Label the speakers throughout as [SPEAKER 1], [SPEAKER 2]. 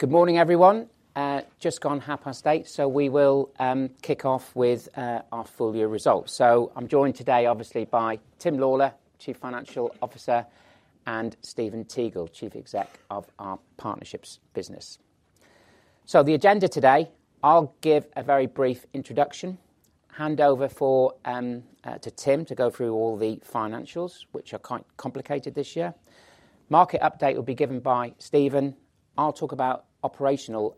[SPEAKER 1] Good morning, everyone. Just gone half past eight, so we will kick off with our full-year results. I'm joined today, obviously, by Tim Lawlor, Chief Financial Officer, and Stephen Teagle, Chief Exec of our Partnerships business. The agenda today: I'll give a very brief introduction, hand over to Tim to go through all the financials, which are quite complicated this year. Market update will be given by Stephen. I'll talk about operational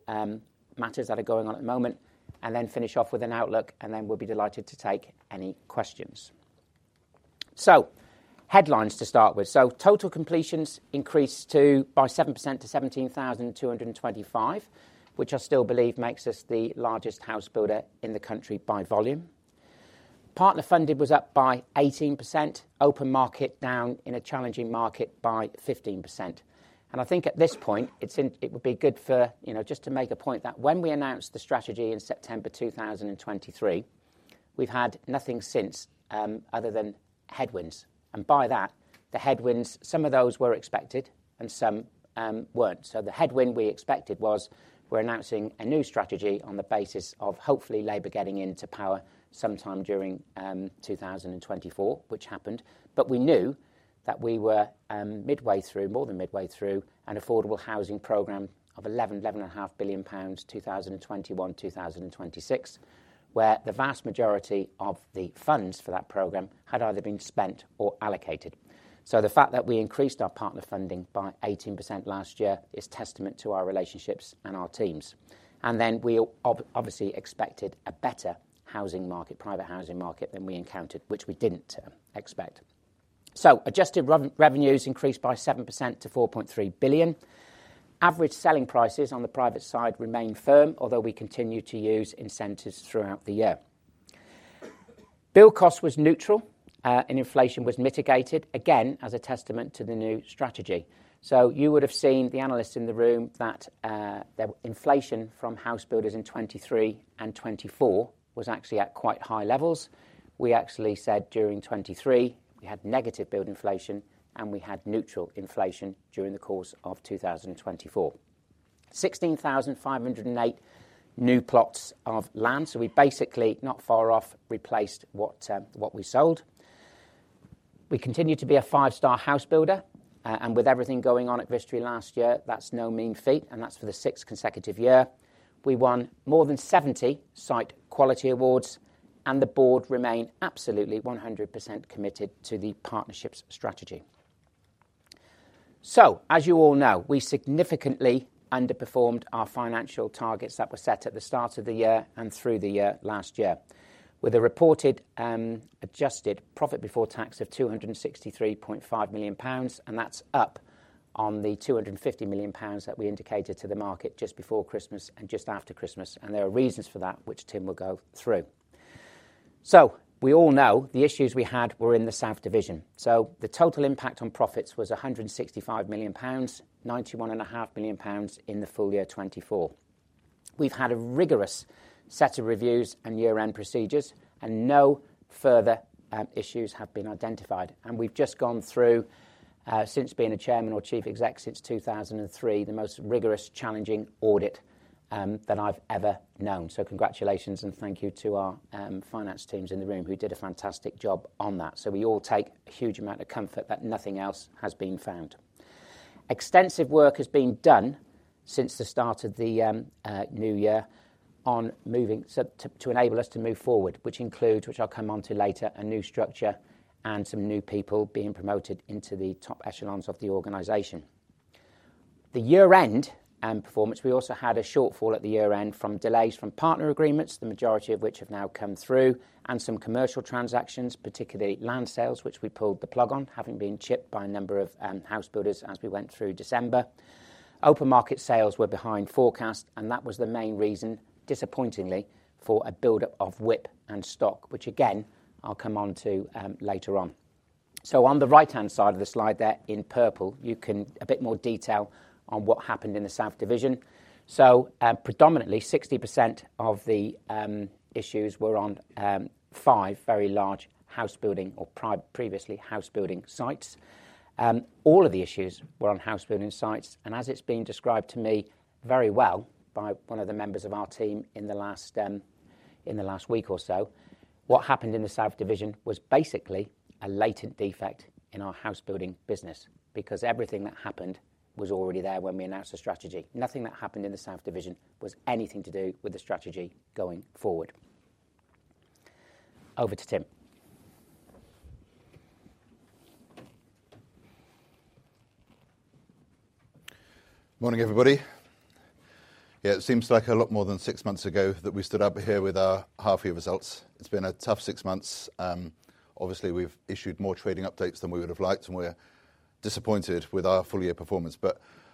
[SPEAKER 1] matters that are going on at the moment, and then finish off with an outlook, and then we'll be delighted to take any questions. Headlines to start with. Total completions increased by 7% to 17,225 completions which I still believe makes us the largest house builder in the country by volume. Partner funding was up by 18%. Open market down in a challenging market by 15%. I think at this point, it would be good just to make a point that when we announced the strategy in September 2023, we've had nothing since other than headwinds. By that, the headwinds, some of those were expected and some were not. The headwind we expected was we were announcing a new strategy on the basis of hopefully Labour getting into power sometime during 2024, which happened. We knew that we were midway through, more than midway through, an affordable housing programme of 11 billion-11.5 billion pounds 2021-2026, where the vast majority of the funds for that programme had either been spent or allocated. The fact that we increased our partner funding by 18% last year is testament to our relationships and our teams. We obviously expected a better housing market, private housing market tha n we encountered, which we did not expect. Adjusted revenues increased by 7% to 4.3 billion. Average selling prices on the private side remain firm, although we continue to use incentives throughout the year. Build cost was neutral, and inflation was mitigated, again, as a testament to the new strategy. You would have seen the analysts in the room that inflation from house builders in 2023 and 2024 was actually at quite high levels. We actually said during 2023 we had negative build inflation, and we had neutral inflation during the course of 2024. 16,508 new plots of land. We basically, not far off, replaced what we sold. We continue to be a five-star house builder, and with everything going on at Vistry last year, that is no mean feat, and that is for the sixth consecutive year. We won more than 70 site quality awards, and the board remain absolutely 100% committed to the partnerships strategy. As you all know, we significantly underperformed our financial targets that were set at the start of the year and through the year last year, with a reported adjusted profit before tax of 263.5 million pounds, and that is up on the 250 million pounds that we indicated to the market just before Christmas and just after Christmas. There are reasons for that, which Tim will go through. We all know the issues we had were in the South Division. The total impact on profits was 165 million pounds, 91.5 million pounds in the full year 2024. We have had a rigorous set of reviews and year-end procedures, and no further issues have been identified. We have just gone through, since being a Chairman or Chief Exec since 2003, the most rigorous, challenging audit that I have ever known. Congratulations, and thank you to our finance teams in the room who did a fantastic job on that. We all take a huge amount of comfort that nothing else has been found. Extensive work has been done since the start of the new year on moving to enable us to move forward, which includes, which I'll come on to later, a new structure and some new people being promoted into the top echelons of the organization. The year-end performance, we also had a shortfall at the year-end from delays from partner agreements, the majority of which have now come through, and some commercial transactions, particularly land sales, which we pulled the plug on, having been chipped by a number of house builders as we went through December. Open market sales were behind forecast, and that was the main reason, disappointingly, for a build-up of WIP and stock, which, again, I'll come on to later on. On the right-hand side of the slide there in purple, you can see a bit more detail on what happened in the South Division. Predominantly, 60% of the issues were on five very large housebuilding or previously housebuilding sites. All of the issues were on housebuilding sites. As it's been described to me very well by one of the members of our team in the last week or so, what happened in the South Division was basically a latent defect in our housebuilding business, because everything that happened was already there when we announced the strategy. Nothing that happened in the South Division was anything to do with the strategy going forward. Over to Tim.
[SPEAKER 2] Morning, everybody. Yeah, it seems like a lot more than six months ago that we stood up here with our half-year results. It's been a tough six months. Obviously, we've issued more trading updates than we would have liked, and we're disappointed with our full-year performance.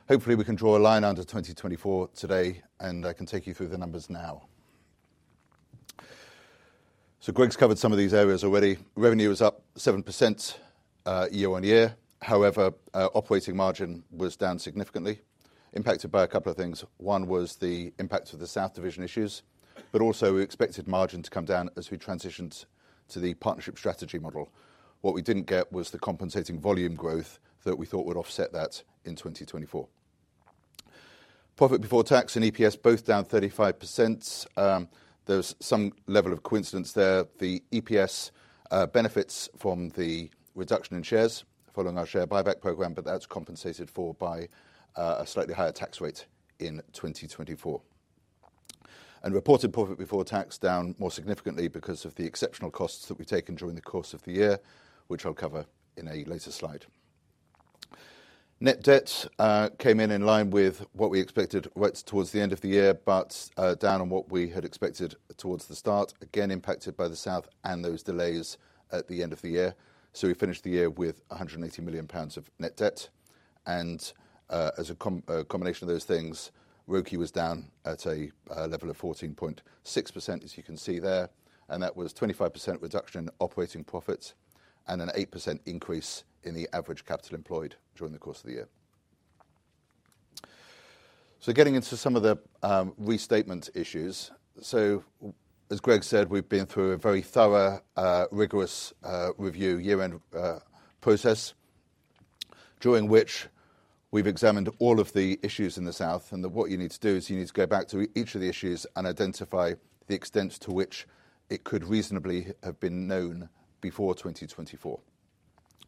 [SPEAKER 2] Hopefully, we can draw a line under 2024 today, and I can take you through the numbers now. Greg's covered some of these areas already. Revenue was up 7% year-on-year. However, operating margin was down significantly, impacted by a couple of things. One was the impact of the South Division issues, but also we expected margin to come down as we transitioned to the partnership strategy model. What we didn't get was the compensating volume growth that we thought would offset that in 2024. Profit before tax and EPS both down 35%. There's some level of coincidence there. The EPS benefits from the reduction in shares following our share buyback programme, but that's compensated for by a slightly higher tax rate in 2024. Reported profit before tax is down more significantly because of the exceptional costs that we've taken during the course of the year, which I'll cover in a later slide. Net debt came in in line with what we expected right towards the end of the year, but down on what we had expected towards the start, again impacted by the South and those delays at the end of the year. We finished the year with 180 million pounds of net debt. As a combination of those things, ROI was down at a level of 14.6%, as you can see there. That was a 25% reduction in operating profits and an 8% increase in the average capital employed during the course of the year. Getting into some of the restatement issues. As Greg said, we've been through a very thorough, rigorous review year-end process, during which we've examined all of the issues in the South. What you need to do is you need to go back to each of the issues and identify the extents to which it could reasonably have been known before 2024.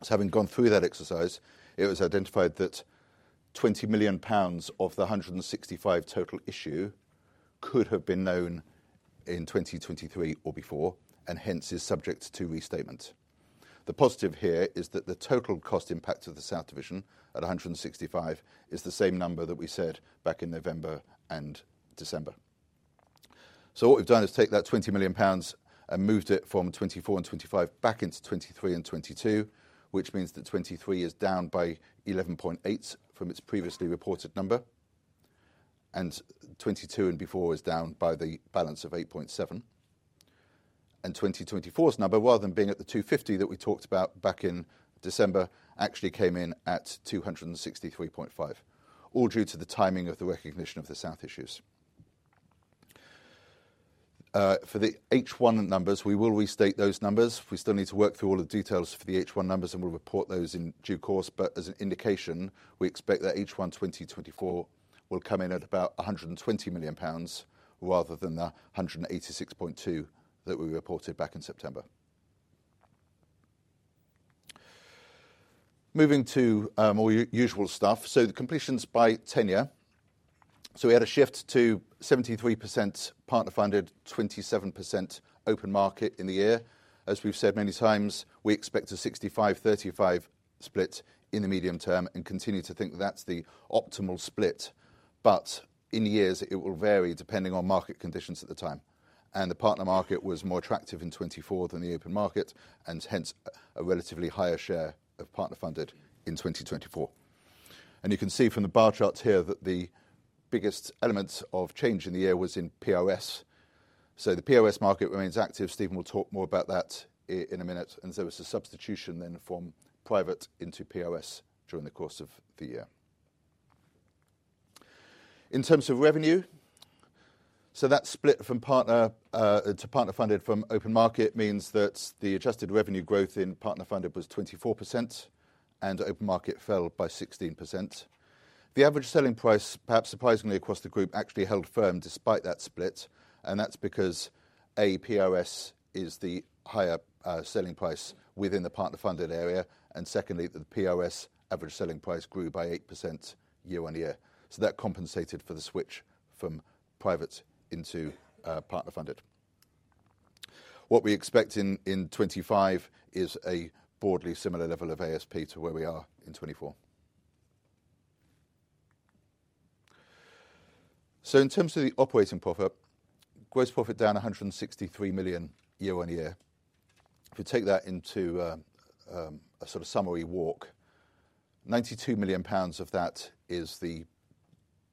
[SPEAKER 2] Having gone through that exercise, it was identified that 20 million pounds of the 165 million total issue could have been known in 2023 or before, and hence is subject to restatement. The positive here is that the total cost impact of the South division at 165 million is the same number that we said back in November and December. What we've done is take that 20 million pounds and moved it from 2024 and 2025 back into 2023 and 2022, which means that 2023 is down by 11.8 from its previously reported number, and 2022 and before is down by the balance of 8.7. 2024's number, rather than being at the 250 that we talked about back in December, actually came in at 263.5, all due to the timing of the recognition of the South issues. For the H1 numbers, we will restate those numbers. We still need to work through all the details for the H1 numbers, and we'll report those in due course. As an indication, we expect that H1 2024 will come in at about 120 million pounds rather than the 186.2 that we reported back in September. Moving to more usual stuff. The completions by tenure. We had a shift to 73% partner funded, 27% open market in the year. As we've said many times, we expect a 65-35 split in the medium term and continue to think that's the optimal split. In years, it will vary depending on market conditions at the time. The partner market was more attractive in 2024 than the open market, and hence a relatively higher share of partner funded in 2024. You can see from the bar charts here that the biggest element of change in the year was in POS. The POS market remains active. Stephen will talk more about that in a minute. There was a substitution then from private into POS during the course of the year. In terms of revenue, that split from partner to partner funded from open market means that the adjusted revenue growth in partner funded was 24%, and open market fell by 16%. The average selling price, perhaps surprisingly across the group, actually held firm despite that split. That is because, A, POS is the higher selling price within the partner funded area. Secondly, the POS average selling price grew by 8% year-on-year. That compensated for the switch from private into partner funded. What we expect in 2025 is a broadly similar level of ASP to where we are in 2024. In terms of the operating profit, gross profit down 163 million year-on-year. If you take that into a sort of summary walk, 92 million pounds of that is the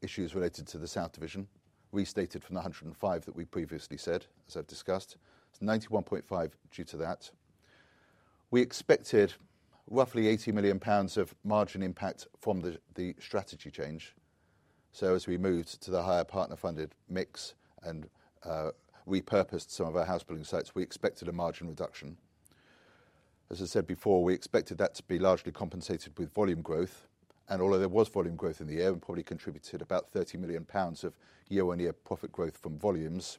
[SPEAKER 2] issues related to the South Division, restated from the 105 million that we previously said, as I've discussed. It's 91.5 million due to that. We expected roughly 80 million pounds of margin impact from the strategy change. As we moved to the higher partner funded mix and repurposed some of our housebuilding sites, we expected a margin reduction. As I said before, we expected that to be largely compensated with volume growth. Although there was volume growth in the year and probably contributed about 30 million pounds of year-on-year profit growth from volumes,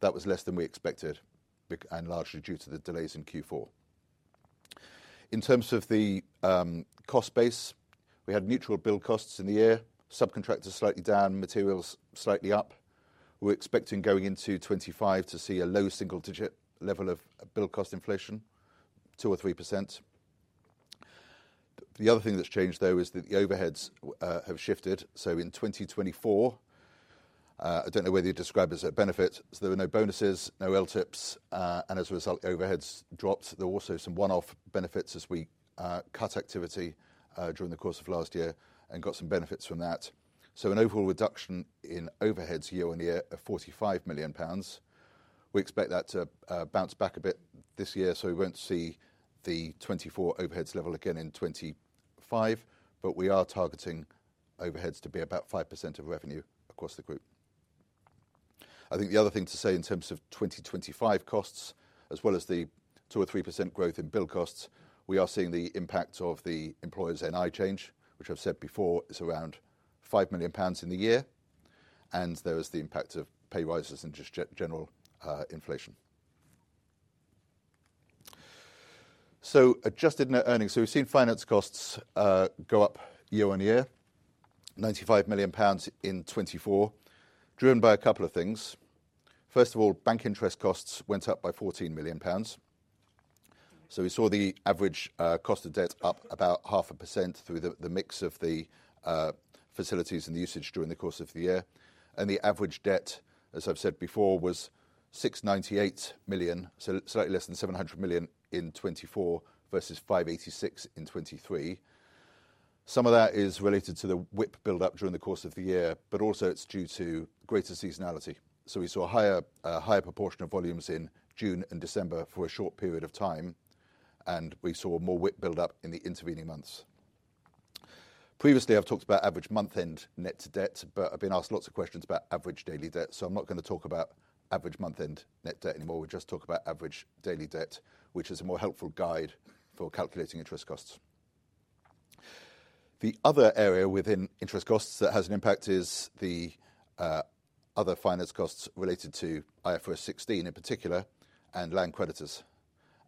[SPEAKER 2] that was less than we expected and largely due to the delays in Q4. In terms of the cost base, we had neutral build costs in the year, subcontractors slightly down, materials slightly up. We're expecting going into 2025 to see a low single-digit level of build cost inflation, 2% or 3%. The other thing that's changed, though, is that the overheads have shifted. In 2024, I don't know whether you'd describe it as a benefit. There were no bonuses, no LTIPs, and as a result, the overheads dropped. There were also some one-off benefits as we cut activity during the course of last year and got some benefits from that. An overall reduction in overheads year-on-year of 45 million pounds. We expect that to bounce back a bit this year, so we won't see the 2024 overheads level again in 2025, but we are targeting overheads to be about 5% of revenue across the group. I think the other thing to say in terms of 2025 costs, as well as the 2% or 3% growth in build costs, we are seeing the impact of the employers' NI change, which I've said before is around 5 million pounds in the year. There is the impact of pay rises and just general inflation. Adjusted net earnings. We've seen finance costs go up year-on-year, 95 million pounds in 2024, driven by a couple of things. First of all, bank interest costs went up by 14 million pounds. We saw the average cost of debt up about half a percent through the mix of the facilities and the usage during the course of the year. The average debt, as I've said before, was 698 million, so slightly less than 700 million in 2024 versus 586 million in 2023. Some of that is related to the WIP build-up during the course of the year, but also it's due to greater seasonality. We saw a higher proportion of volumes in June and December for a short period of time, and we saw more WIP build-up in the intervening months. Previously, I've talked about average month-end net debt, but I've been asked lots of questions about average daily debt. I'm not going to talk about average month-end net debt anymore. We'll just talk about average daily debt, which is a more helpful guide for calculating interest costs. The other area within interest costs that has an impact is the other finance costs related to IFRS 16 in particular and land creditors.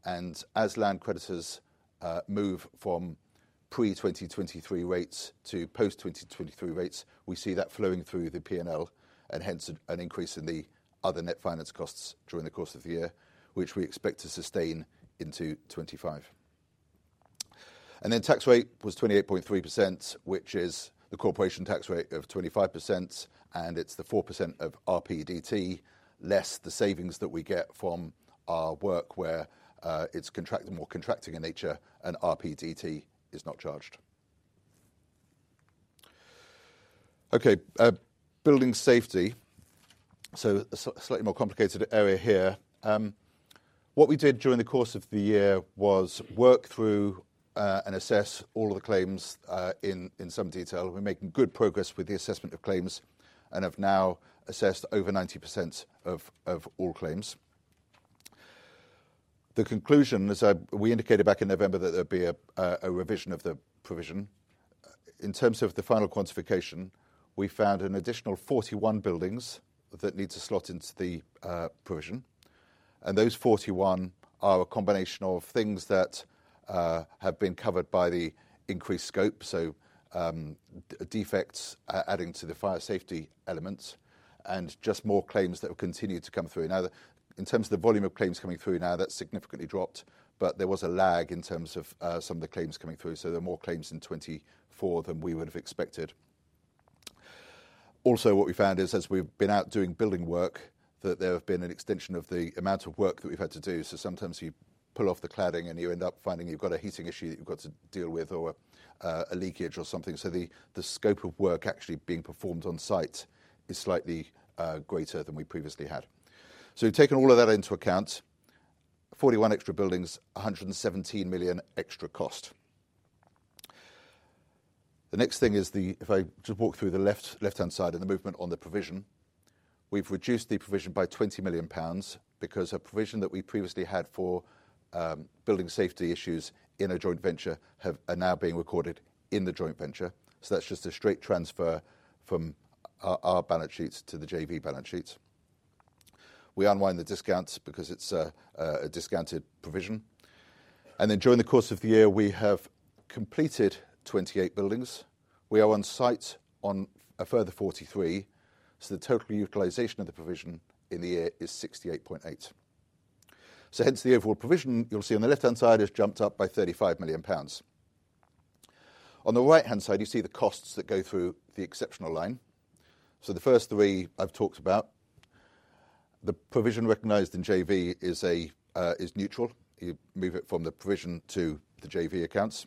[SPEAKER 2] As land creditors move from pre-2023 rates to post-2023 rates, we see that flowing through the P&L and hence an increase in the other net finance costs during the course of the year, which we expect to sustain into 2025. The tax rate was 28.3%, which is the corporation tax rate of 25%, and it is the 4% of RPDT less the savings that we get from our work where it is more contracting in nature and RPDT is not charged. Okay, building safety. A slightly more complicated area here. What we did during the course of the year was work through and assess all of the claims in some detail. We are making good progress with the assessment of claims and have now assessed over 90% of all claims. The conclusion, as we indicated back in November, is that there would be a revision of the provision. In terms of the final quantification, we found an additional 41 buildings that need to slot into the provision. Those 41 are a combination of things that have been covered by the increased scope, so defects adding to the fire safety elements and just more claims that have continued to come through. Now, in terms of the volume of claims coming through now, that's significantly dropped, but there was a lag in terms of some of the claims coming through. There are more claims in 2024 than we would have expected. Also, what we found is, as we've been out doing building work, that there has been an extension of the amount of work that we've had to do. Sometimes you pull off the cladding and you end up finding you've got a heating issue that you've got to deal with or a leakage or something. The scope of work actually being performed on site is slightly greater than we previously had. Taking all of that into account, 41 extra buildings, 117 million extra cost. The next thing is, if I just walk through the left-hand side and the movement on the provision, we've reduced the provision by 20 million pounds because a provision that we previously had for building safety issues in a joint venture are now being recorded in the joint venture. That's just a straight transfer from our balance sheets to the JV balance sheets. We unwind the discounts because it's a discounted provision. During the course of the year, we have completed 28 buildings. We are on site on a further 43 buildings. The total utilization of the provision in the year is 68.8 million. Hence the overall provision you'll see on the left-hand side has jumped up by 35 million pounds. On the right-hand side, you see the costs that go through the exceptional line. The first three I've talked about, the provision recognized in JV is neutral. You move it from the provision to the JV accounts.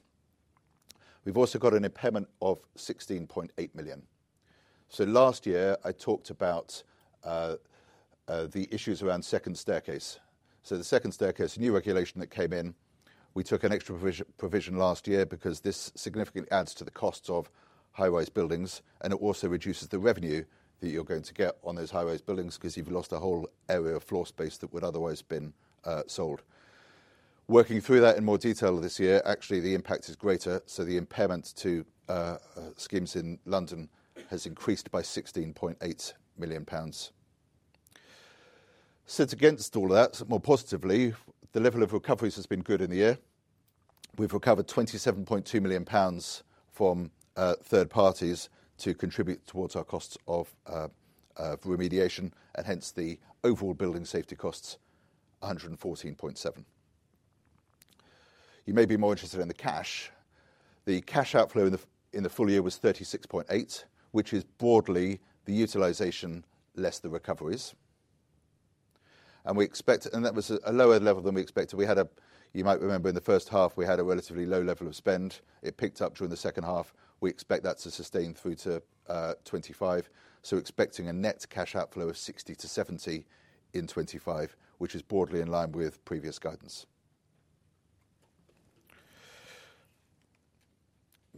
[SPEAKER 2] We've also got an impairment of 16.8 million. Last year, I talked about the issues around second staircase. The second staircase new regulation that came in, we took an extra provision last year because this significantly adds to the costs of high-rise buildings, and it also reduces the revenue that you're going to get on those high-rise buildings because you've lost a whole area of floor space that would otherwise have been sold. Working through that in more detail this year, actually, the impact is greater. The impairment to schemes in London has increased by 16.8 million pounds. Against all of that, more positively, the level of recoveries has been good in the year. We've recovered 27.2 million pounds from third parties to contribute towards our costs of remediation, and hence the overall building safety costs, 114.7 million. You may be more interested in the cash. The cash outflow in the full year was 36.8 million, which is broadly the utilization less the recoveries. We expect, and that was a lower level than we expected. You might remember in the first half, we had a relatively low level of spend. It picked up during the second half. We expect that to sustain through to 2025. Expecting a net cash outflow of 60 million-70 million in 2025, which is broadly in line with previous guidance.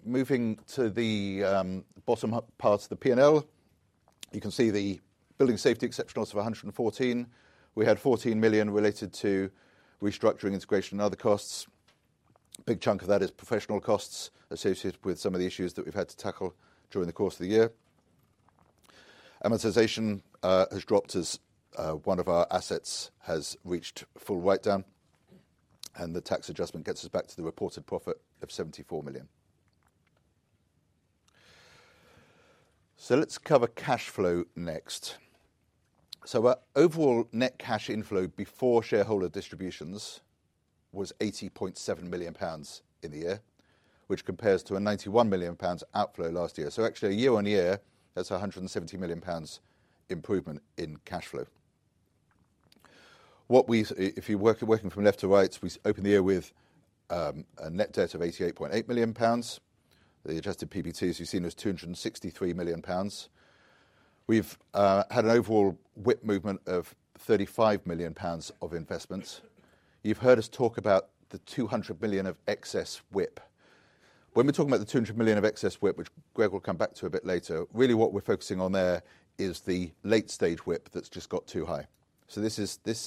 [SPEAKER 2] Moving to the bottom part of the P&L, you can see the building safety exceptional of 114 million. We had 14 million related to restructuring, integration, and other costs. A big chunk of that is professional costs associated with some of the issues that we've had to tackle during the course of the year. Amortization has dropped as one of our assets has reached full write-down, and the tax adjustment gets us back to the reported profit of 74 million. Let's cover cash flow next. Our overall net cash inflow before shareholder distributions was 80.7 million pounds in the year, which compares to a 91 million pounds outflow last year. Actually, year-on-year, that's a 170 million pounds improvement in cash flow. If you're working from left to right, we open the year with a net debt of 88.8 million pounds. The adjusted PBT, you've seen, was 263 million pounds. We've had an overall WIP movement of 35 million pounds of investments. You've heard us talk about the 200 million of excess WIP. When we're talking about the 200 million of excess WIP, which Greg will come back to a bit later, really what we're focusing on there is the late-stage WIP that's just got too high. This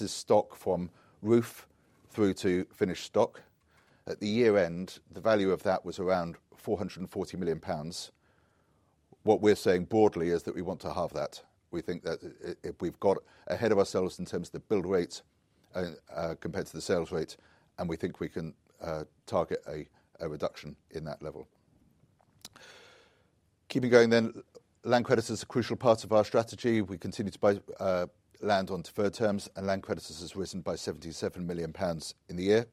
[SPEAKER 2] is stock from roof through to finished stock. At the year end, the value of that was around 440 million pounds. What we're saying broadly is that we want to halve that. We think that we've got ahead of ourselves in terms of the build rate compared to the sales rate, and we think we can target a reduction in that level. Keeping going then, land creditors are a crucial part of our strategy. We continue to buy land on deferred terms, and land creditors have risen by 77 million pounds in the year.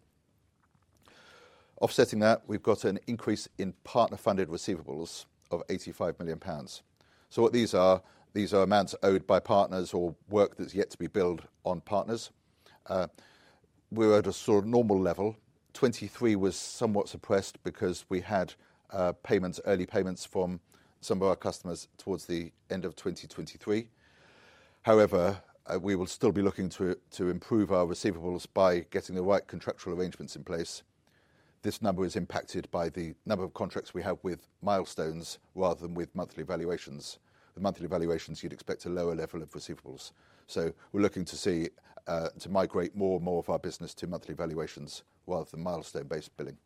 [SPEAKER 2] Offsetting that, we've got an increase in partner-funded receivables of 85 million pounds. What these are, these are amounts owed by partners or work that's yet to be billed on partners. We're at a sort of normal level. 2023 was somewhat suppressed because we had early payments from some of our customers towards the end of 2023. However, we will still be looking to improve our receivables by getting the right contractual arrangements in place. This number is impacted by the number of contracts we have with milestones rather than with monthly valuations. The monthly valuations, you'd expect a lower level of receivables. We're looking to see to migrate more and more of our business to monthly valuations rather than milestone-based billing.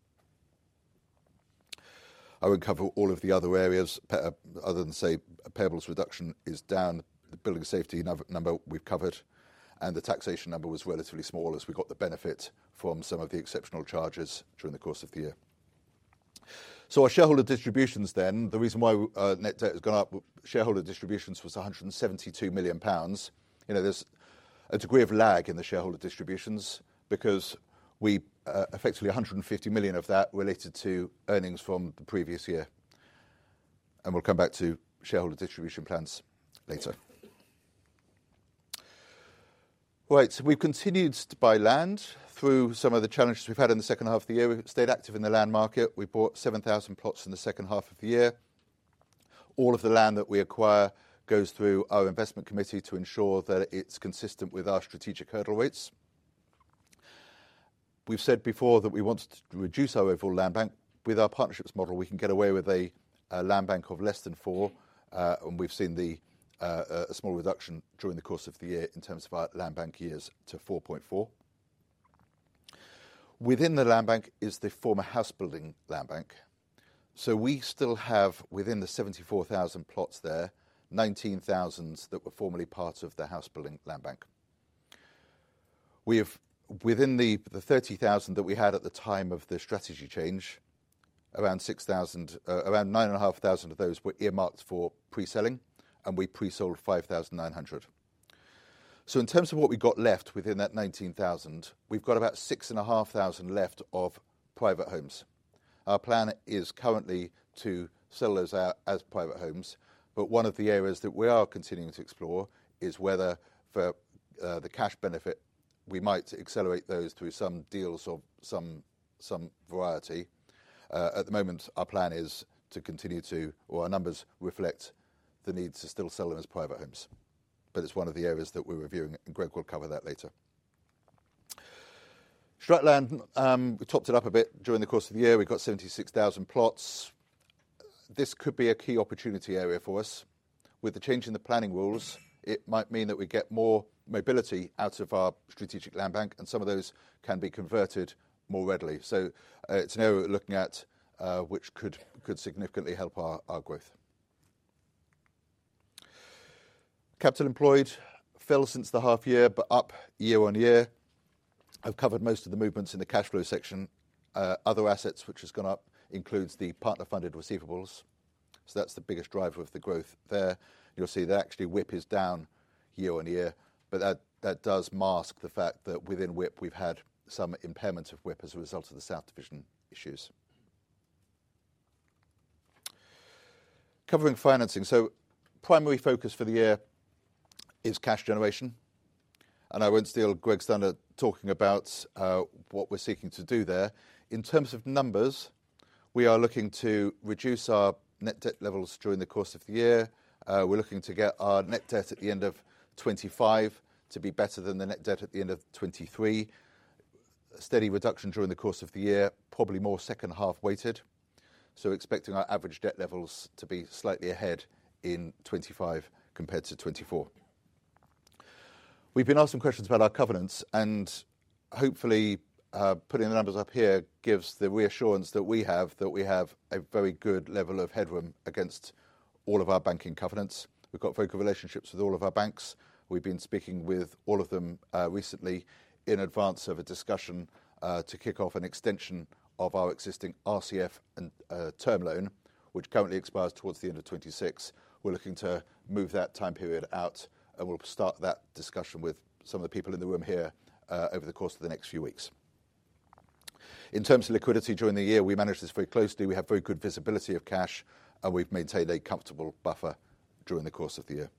[SPEAKER 2] I would cover all of the other areas other than, say, payables reduction is down. The building safety number we've covered and the taxation number was relatively small as we got the benefit from some of the exceptional charges during the course of the year. Our shareholder distributions then, the reason why net debt has gone up, shareholder distributions was 172 million pounds. You know, there's a degree of lag in the shareholder distributions because we effectively 150 million of that related to earnings from the previous year. We'll come back to shareholder distribution plans later. Right, we've continued to buy land through some of the challenges we've had in the second half of the year. We've stayed active in the land market. We bought 7,000 plots in the second half of the year. All of the land that we acquire goes through our investment committee to ensure that it's consistent with our strategic hurdle rates. We've said before that we want to reduce our overall land bank. With our partnerships model, we can get away with a land bank of less than four, and we've seen a small reduction during the course of the year in terms of our land bank years to 4.4. Within the land bank is the former house building land bank. We still have within the 74,000 plots there, 19,000 plots that were formerly part of the house building land bank. Within the 30,000 plots that we had at the time of the strategy change, around 9,500 plots of those were earmarked for pre-selling, and we pre-sold 5,900 plots. In terms of what we got left within that 19,000 plots we've got about 6,500 plots left of private homes. Our plan is currently to sell those out as private homes, but one of the areas that we are continuing to explore is whether for the cash benefit, we might accelerate those through some deals of some variety. At the moment, our plan is to continue to, or our numbers reflect the need to still sell them as private homes, but it's one of the areas that we're reviewing, and Greg will cover that later. Strategic land, we topped it up a bit during the course of the year. We've got 76,000 plots. This could be a key opportunity area for us. With the change in the planning rules, it might mean that we get more mobility out of our strategic land bank, and some of those can be converted more readily. It is an area we're looking at which could significantly help our growth. Capital employed fell since the half year, but up year-on-year. I've covered most of the movements in the cash flow section. Other assets, which has gone up, include the partner-funded receivables. That's the biggest driver of the growth there. You'll see that actually WIP is down year-on-year, but that does mask the fact that within WIP, we've had some impairment of WIP as a result of the South Division issues. Covering financing, primary focus for the year is cash generation. I won't steal Greg's thunder talking about what we're seeking to do there. In terms of numbers, we are looking to reduce our net debt levels during the course of the year. We're looking to get our net debt at the end of 2025 to be better than the net debt at the end of 2023. Steady reduction during the course of the year, probably more second half weighted. Expecting our average debt levels to be slightly ahead in 2025 compared to 2024. We've been asked some questions about our covenants, and hopefully putting the numbers up here gives the reassurance that we have a very good level of headroom against all of our banking covenants. We've got very good relationships with all of our banks. We've been speaking with all of them recently in advance of a discussion to kick off an extension of our existing RCF term loan, which currently expires towards the end of 2026. We're looking to move that time period out, and we'll start that discussion with some of the people in the room here over the course of the next few weeks. In terms of liquidity during the year, we manage this very closely. We have very good visibility of cash, and we have maintained a comfortable buffer during the course of the year.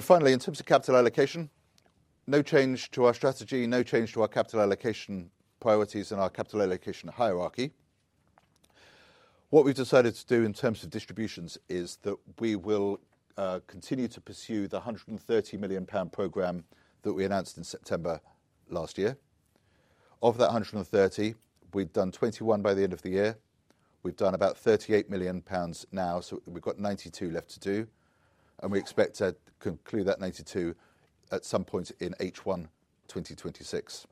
[SPEAKER 2] Finally, in terms of capital allocation, no change to our strategy, no change to our capital allocation priorities and our capital allocation hierarchy. What we have decided to do in terms of distributions is that we will continue to pursue the 130 million pound program that we announced in September last year. Of that 130 million, we have done 21 million by the end of the year. We have done about 38 million pounds now, so we have got 92 million left to do, and we expect to conclude that 92 million at some point in H1 2026.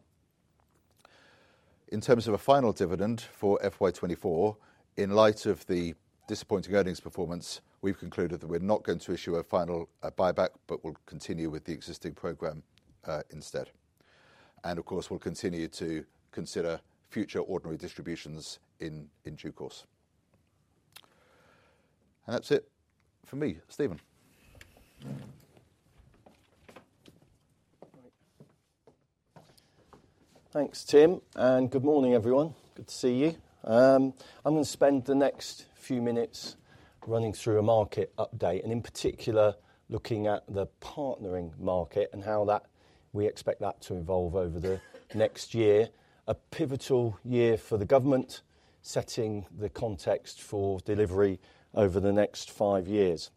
[SPEAKER 2] In terms of a final dividend for FY 2024, in light of the disappointing earnings performance, we have concluded that we are not going to issue a final buyback, but we will continue with the existing program instead. Of course, we'll continue to consider future ordinary distributions in due course. That's it for me, Stephen.
[SPEAKER 3] Thanks, Tim, and good morning, everyone. Good to see you. I'm going to spend the next few minutes running through a market update, in particular, looking at the partnering market and how we expect that to evolve over the next year. A pivotal year for the government, setting the context for delivery over the next five years.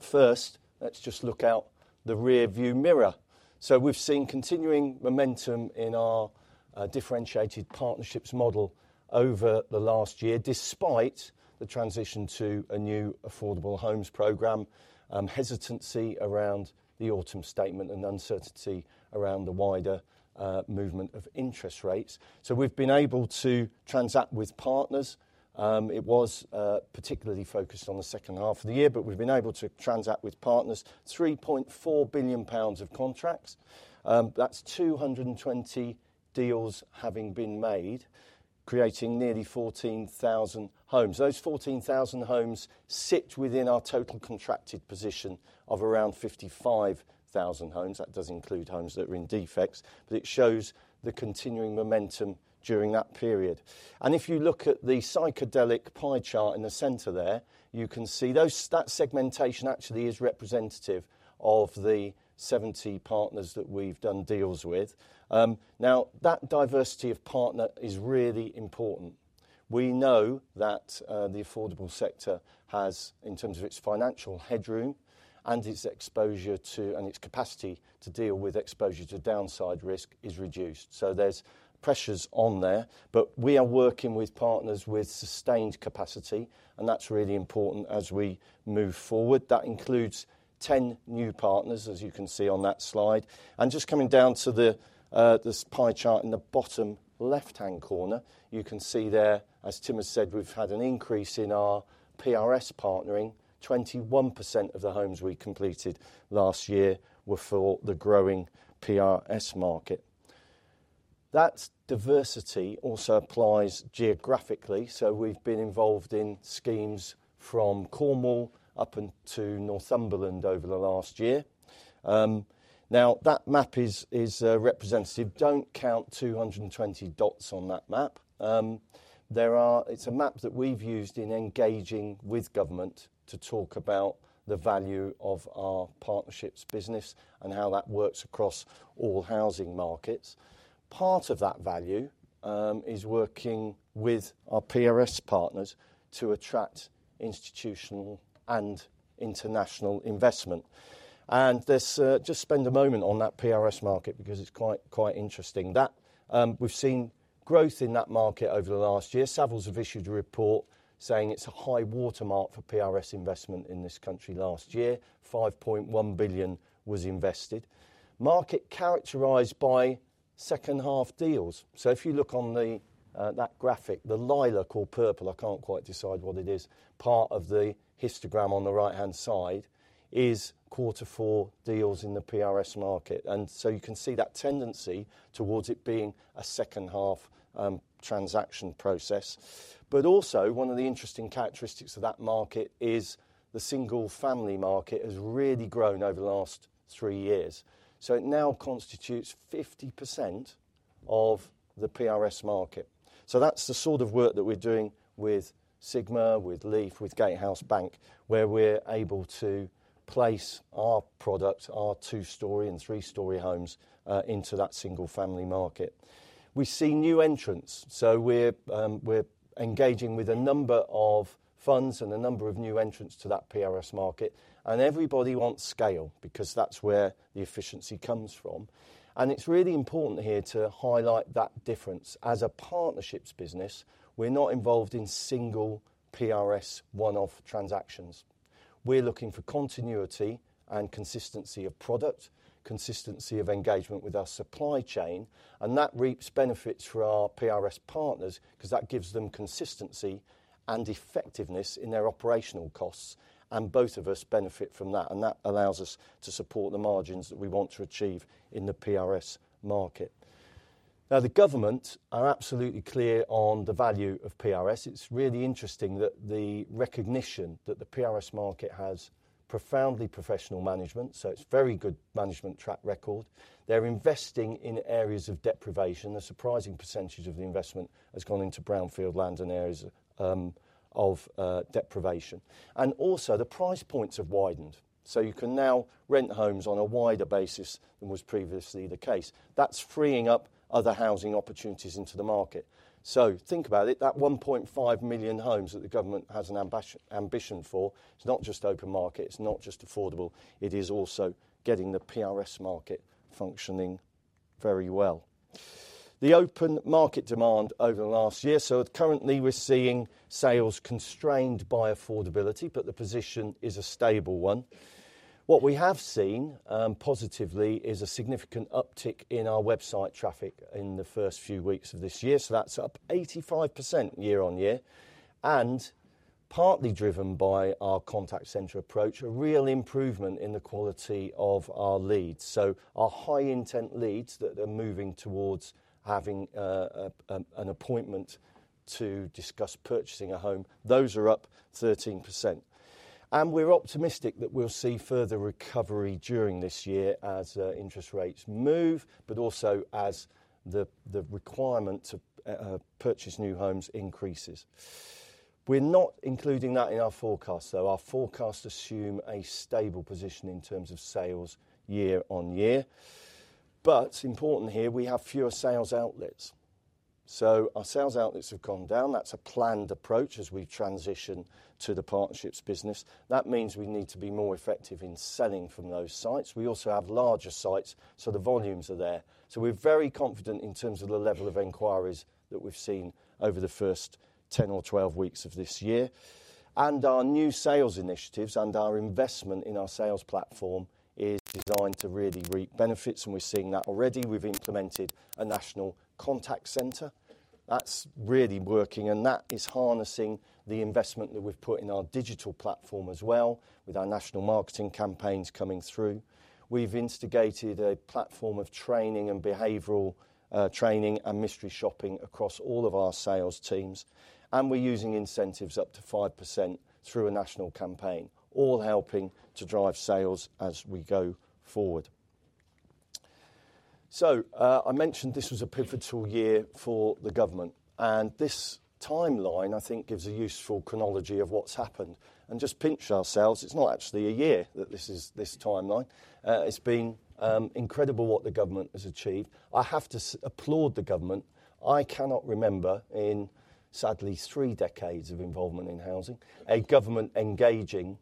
[SPEAKER 3] First, let's just look out the rearview mirror. We've seen continuing momentum in our differentiated partnerships model over the last year, despite the transition to a new Affordable Homes Program, hesitancy around the autumn statement, and uncertainty around the wider movement of interest rates. We've been able to transact with partners. It was particularly focused on the second half of the year, but we've been able to transact with partners 3.4 billion pounds of contracts. That's 220 deals having been made, creating nearly 14,000 homes. Those 14,000 homes sit within our total contracted position of around 55,000 homes. That does include homes that are in defects, but it shows the continuing momentum during that period. If you look at the psychedelic pie chart in the center there, you can see that segmentation actually is representative of the 70 partners that we've done deals with. That diversity of partner is really important. We know that the affordable sector has, in terms of its financial headroom and its exposure to, and its capacity to deal with exposure to downside risk is reduced. There are pressures on there, but we are working with partners with sustained capacity, and that's really important as we move forward. That includes 10 new partners, as you can see on that slide. Just coming down to this pie chart in the bottom left-hand corner, you can see there, as Tim has said, we've had an increase in our PRS partnering. 21% of the homes we completed last year were for the growing PRS market. That diversity also applies geographically. We have been involved in schemes from Cornwall up until Northumberland over the last year. That map is representative. Do not count 220 dots on that map. It is a map that we have used in engaging with government to talk about the value of our partnerships business and how that works across all housing markets. Part of that value is working with our PRS partners to attract institutional and international investment. Let's just spend a moment on that PRS market because it's quite interesting. We've seen growth in that market over the last year. Savills have issued a report saying it's a high watermark for PRS investment in this country last year. 5.1 billion was invested. The market is characterized by second half deals. If you look on that graphic, the lilac or purple, I can't quite decide what it is, part of the histogram on the right-hand side is quarter four deals in the PRS market. You can see that tendency towards it being a second half transaction process. Also, one of the interesting characteristics of that market is the single family market has really grown over the last three years. It now constitutes 50% of the PRS market. That's the sort of work that we're doing with Sigma, with Leaf, with Gatehouse Bank, where we're able to place our product, our two-story and three-story homes into that single family market. We see new entrants. We're engaging with a number of funds and a number of new entrants to that PRS market. Everybody wants scale because that's where the efficiency comes from. It's really important here to highlight that difference. As a partnerships business, we're not involved in single PRS one-off transactions. We're looking for continuity and consistency of product, consistency of engagement with our supply chain, and that reaps benefits for our PRS partners because that gives them consistency and effectiveness in their operational costs. Both of us benefit from that, and that allows us to support the margins that we want to achieve in the PRS market. Now, the government are absolutely clear on the value of PRS. It's really interesting that the recognition that the PRS market has profoundly professional management. So, it's very good management track record. They're investing in areas of deprivation. A surprising percentage of the investment has gone into brownfield land and areas of deprivation. Also, the price points have widened. You can now rent homes on a wider basis than was previously the case. That's freeing up other housing opportunities into the market. Think about it. That 1.5 million homes that the government has an ambition for, it's not just open market, it's not just affordable. It is also getting the PRS market functioning very well. The open market demand over the last year. Currently we're seeing sales constrained by affordability, but the position is a stable one. What we have seen positively is a significant uptick in our website traffic in the first few weeks of this year. That is up 85% year-on-year. Partly driven by our contact center approach, a real improvement in the quality of our leads. Our high intent leads that are moving towards having an appointment to discuss purchasing a home, those are up 13%. We are optimistic that we will see further recovery during this year as interest rates move, but also as the requirement to purchase new homes increases. We are not including that in our forecast, though. Our forecasts assume a stable position in terms of sales year-on-year. Important here, we have fewer sales outlets. Our sales outlets have gone down. That is a planned approach as we transition to the partnerships business. That means we need to be more effective in selling from those sites. We also have larger sites, so the volumes are there. We are very confident in terms of the level of inquiries that we have seen over the first 10 weeks or 12 weeks of this year. Our new sales initiatives and our investment in our sales platform is designed to really reap benefits, and we are seeing that already. We have implemented a national contact center. That is really working, and that is harnessing the investment that we have put in our digital platform as well, with our national marketing campaigns coming through. We have instigated a platform of training and behavioral training and mystery shopping across all of our sales teams. We are using incentives up to 5% through a national campaign, all helping to drive sales as we go forward. I mentioned this was a pivotal year for the government, and this timeline, I think, gives a useful chronology of what's happened. Just pinch ourselves, it's not actually a year that this is this timeline. It's been incredible what the government has achieved. I have to applaud the government. I cannot remember in, sadly, three decades of involvement in housing, a government engaging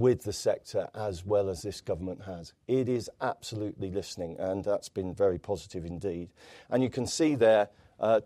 [SPEAKER 3] with the sector as well as this government has. It is absolutely listening, and that's been very positive indeed. You can see there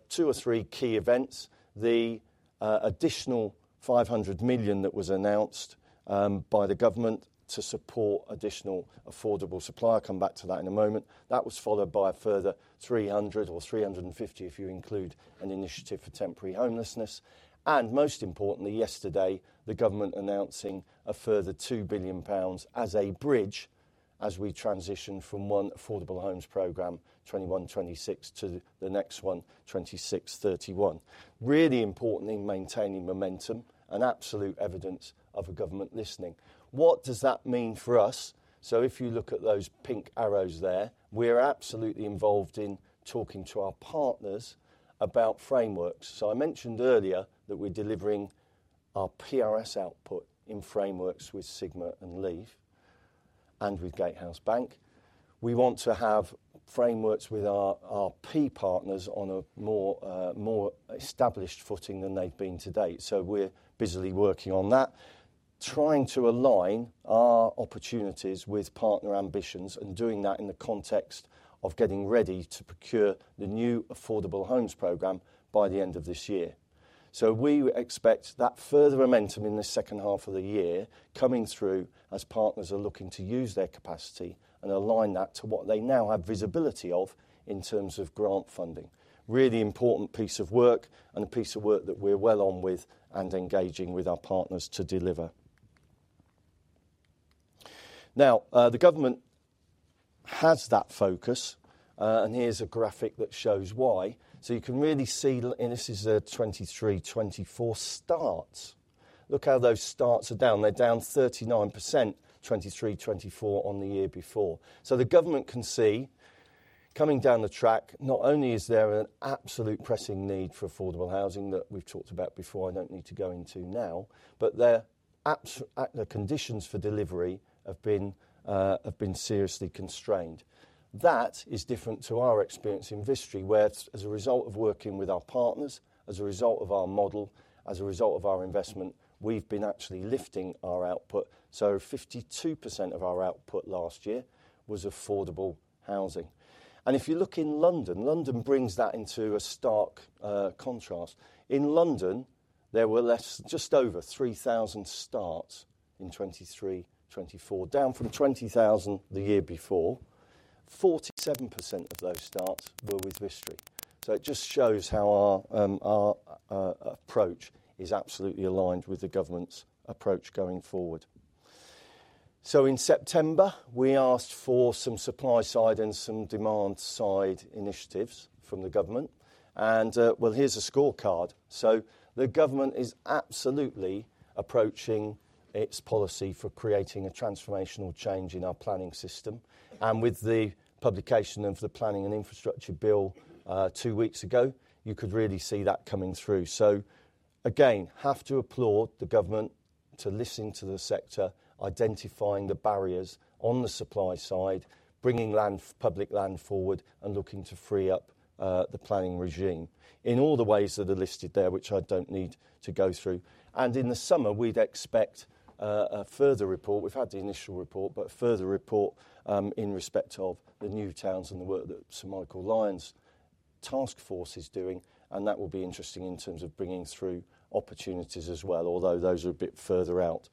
[SPEAKER 3] two or three key events. The additional 500 million that was announced by the government to support additional affordable supply, I'll come back to that in a moment. That was followed by a further 300 million or 350 million if you include an initiative for temporary homelessness. Most importantly, yesterday, the government announcing a further 2 billion pounds as a bridge as we transition from one Affordable Homes Program, 2021-2026, to the next one, 2026-2031. Really important in maintaining momentum and absolute evidence of a government listening. What does that mean for us? If you look at those pink arrows there, we're absolutely involved in talking to our partners about frameworks. I mentioned earlier that we're delivering our PRS output in frameworks with Sigma and Leaf and with Gatehouse Bank. We want to have frameworks with our PRS partners on a more established footing than they've been to date. We're busily working on that, trying to align our opportunities with partner ambitions and doing that in the context of getting ready to procure the new affordable homes program by the end of this year. We expect that further momentum in the second half of the year coming through as partners are looking to use their capacity and align that to what they now have visibility of in terms of grant funding. Really important piece of work and a piece of work that we're well on with and engaging with our partners to deliver. Now, the government has that focus, and here's a graphic that shows why. You can really see, and this is a 2023-2024 start. Look how those starts are down. They're down 39%, 2023-2024 on the year before. The government can see coming down the track, not only is there an absolute pressing need for affordable housing that we've talked about before, I don't need to go into now, but the conditions for delivery have been seriously constrained. That is different to our experience in Vistry, where as a result of working with our partners, as a result of our model, as a result of our investment, we've been actually lifting our output. 52% of our output last year was affordable housing. If you look in London, London brings that into a stark contrast. In London, there were just over 3,000 starts in 2023-2024, down from 20,000 starts the year before. 47% of those starts were with Vistry. It just shows how our approach is absolutely aligned with the government's approach going forward. In September, we asked for some supply side and some demand side initiatives from the government. Here's a scorecard. The government is absolutely approaching its policy for creating a transformational change in our planning system. With the publication of the planning and infrastructure bill two weeks ago, you could really see that coming through. Again, have to applaud the government to listen to the sector, identifying the barriers on the supply side, bringing public land forward and looking to free up the planning regime in all the ways that are listed there, which I do not need to go through. In the summer, we would expect a further report. We have had the initial report, but a further report in respect of the new towns and the work that Sir Michael Lyon's task force is doing. That will be interesting in terms of bringing through opportunities as well, although those are a bit further out.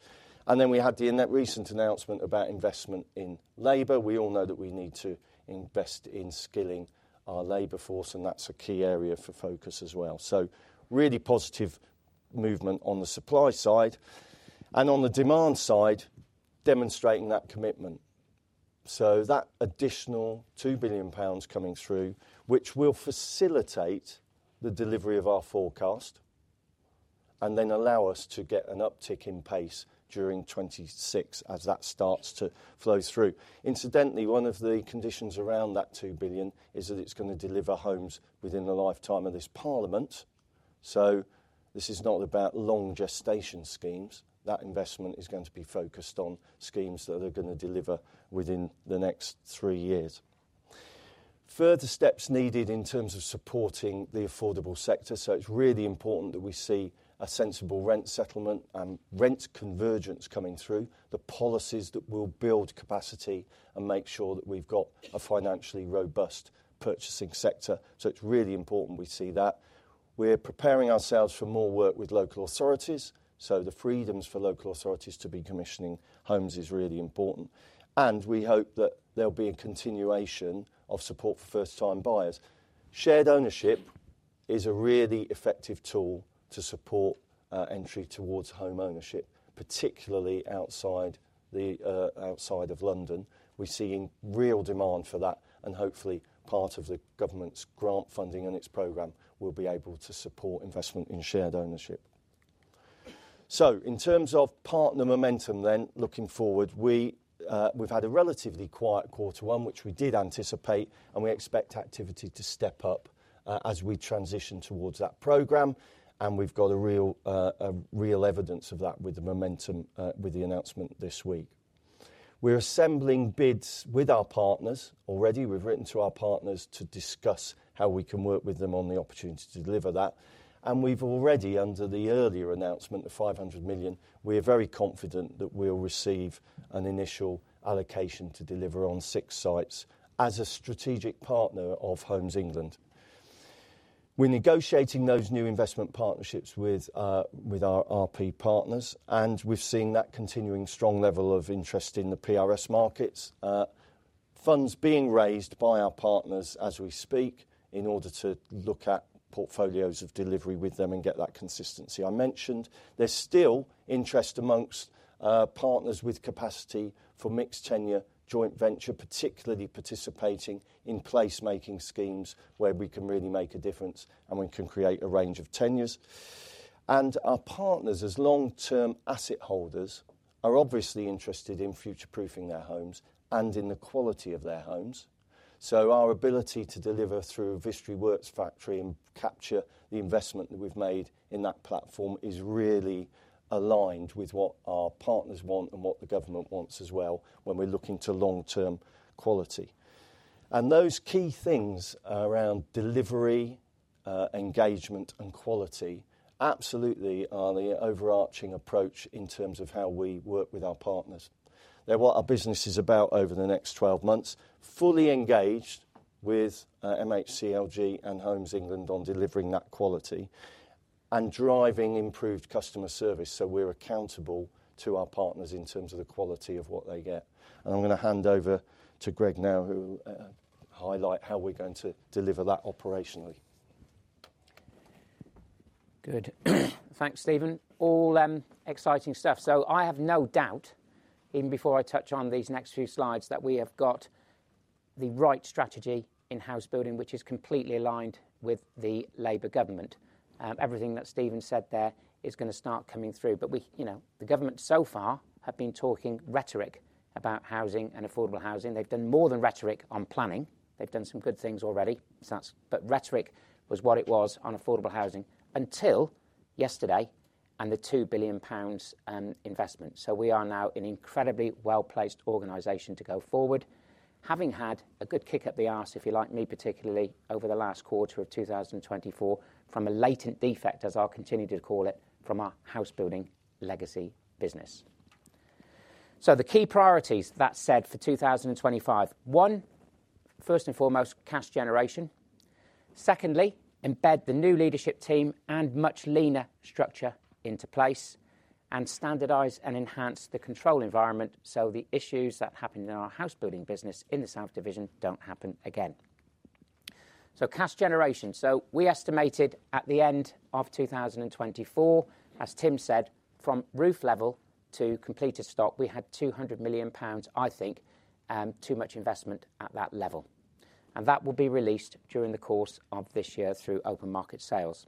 [SPEAKER 3] We had the recent announcement about investment in labor. We all know that we need to invest in skilling our labor force, and that's a key area for focus as well. Really positive movement on the supply side and on the demand side, demonstrating that commitment. That additional 2 billion pounds coming through, which will facilitate the delivery of our forecast and then allow us to get an uptick in pace during 2026 as that starts to flow through. Incidentally, one of the conditions around that 2 billion is that it's going to deliver homes within the lifetime of this parliament. This is not about long gestation schemes. That investment is going to be focused on schemes that are going to deliver within the next three years. Further steps needed in terms of supporting the affordable sector. It is really important that we see a sensible rent settlement and rent convergence coming through, the policies that will build capacity and make sure that we have got a financially robust purchasing sector. It is really important we see that. We are preparing ourselves for more work with local authorities. The freedoms for local authorities to be commissioning homes is really important. We hope that there will be a continuation of support for first-time buyers. Shared ownership is a really effective tool to support entry towards home ownership, particularly outside of London. We are seeing real demand for that, and hopefully part of the government's grant funding and its program will be able to support investment in shared ownership. In terms of partner momentum then, looking forward, we've had a relatively quiet quarter one, which we did anticipate, and we expect activity to step up as we transition towards that program. We've got real evidence of that with the momentum with the announcement this week. We're assembling bids with our partners already. We've written to our partners to discuss how we can work with them on the opportunity to deliver that. We've already, under the earlier announcement of 500 million, and we're very confident that we'll receive an initial allocation to deliver on six sites as a strategic partner of Homes England. We're negotiating those new investment partnerships with our PRS partners, and we've seen that continuing strong level of interest in the PRS markets, funds being raised by our partners as we speak in order to look at portfolios of delivery with them and get that consistency. I mentioned there's still interest amongst partners with capacity for mixed tenure joint venture, particularly participating in placemaking schemes where we can really make a difference and we can create a range of tenures. Our partners, as long-term asset holders, are obviously interested in future-proofing their homes and in the quality of their homes. Our ability to deliver through Vistry Works Factory and capture the investment that we've made in that platform is really aligned with what our partners want and what the government wants as well when we're looking to long-term quality. Those key things around delivery, engagement, and quality absolutely are the overarching approach in terms of how we work with our partners. They are what our business is about over the next 12 months, fully engaged with MHCLG and Homes England on delivering that quality and driving improved customer service. We are accountable to our partners in terms of the quality of what they get. I am going to hand over to Greg now, who will highlight how we are going to deliver that operationally.
[SPEAKER 1] Good. Thanks, Stephen. All exciting stuff. I have no doubt, even before I touch on these next few slides, that we have got the right strategy in housebuilding, which is completely aligned with the Labour government. Everything that Stephen said there is going to start coming through. The government so far have been talking rhetoric about housing and affordable housing. They've done more than rhetoric on planning. They've done some good things already. Rhetoric was what it was on affordable housing until yesterday and the 2 billion pounds investment. We are now an incredibly well-placed organization to go forward, having had a good kick at the arse, if you like me particularly, over the last quarter of 2024 from a latent defect, as I continue to call it, from our housebuilding legacy business. The key priorities that said for 2025, one, first and foremost, cash generation. Secondly, embed the new leadership team and much leaner structure into place and standardize and enhance the control environment so the issues that happened in our housebuilding business in the South Division do not happen again. Cash generation. We estimated at the end of 2024, as Tim said, from roof level to completed stock, we had 200 million pounds, I think, too much investment at that level. That will be released during the course of this year through open market sales.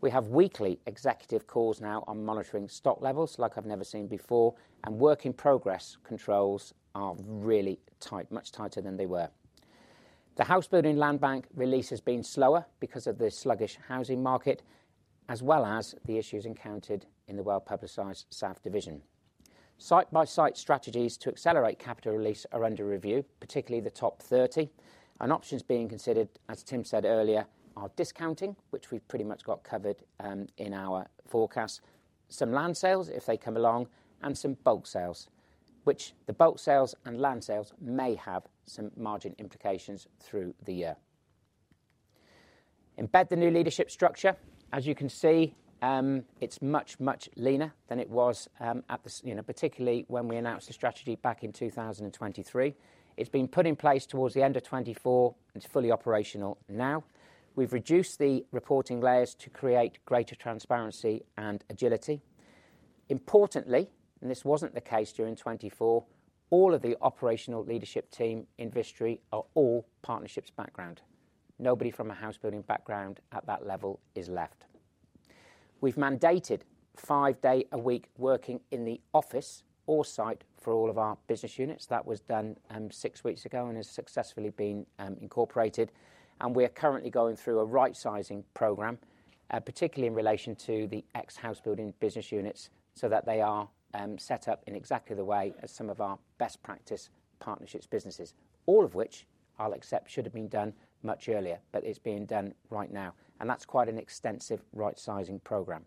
[SPEAKER 1] We have weekly executive calls now on monitoring stock levels like I've never seen before, and work in progress controls are really tight, much tighter than they were. The housebuilding land bank release has been slower because of the sluggish housing market, as well as the issues encountered in the well-publicised South Division. Site-by-site strategies to accelerate capital release are under review, particularly the top 30, and options being considered, as Tim said earlier, are discounting, which we've pretty much got covered in our forecast, some land sales if they come along, and some bulk sales, which the bulk sales and land sales may have some margin implications through the year. Embed the new leadership structure. As you can see, it's much, much leaner than it was at the, particularly when we announced the strategy back in 2023. It's been put in place towards the end of 2024, and it's fully operational now. We've reduced the reporting layers to create greater transparency and agility. Importantly, and this wasn't the case during 2024, all of the operational leadership team in Vistry are all partnerships background. Nobody from a housebuilding background at that level is left. have mandated five days a week working in the office or site for all of our business units. That was done six weeks ago and has successfully been incorporated. We are currently going through a right-sizing program, particularly in relation to the ex-housebuilding business units so that they are set up in exactly the way as some of our best practice partnerships businesses, all of which, I will accept, should have been done much earlier, but it is being done right now. That is quite an extensive right-sizing program.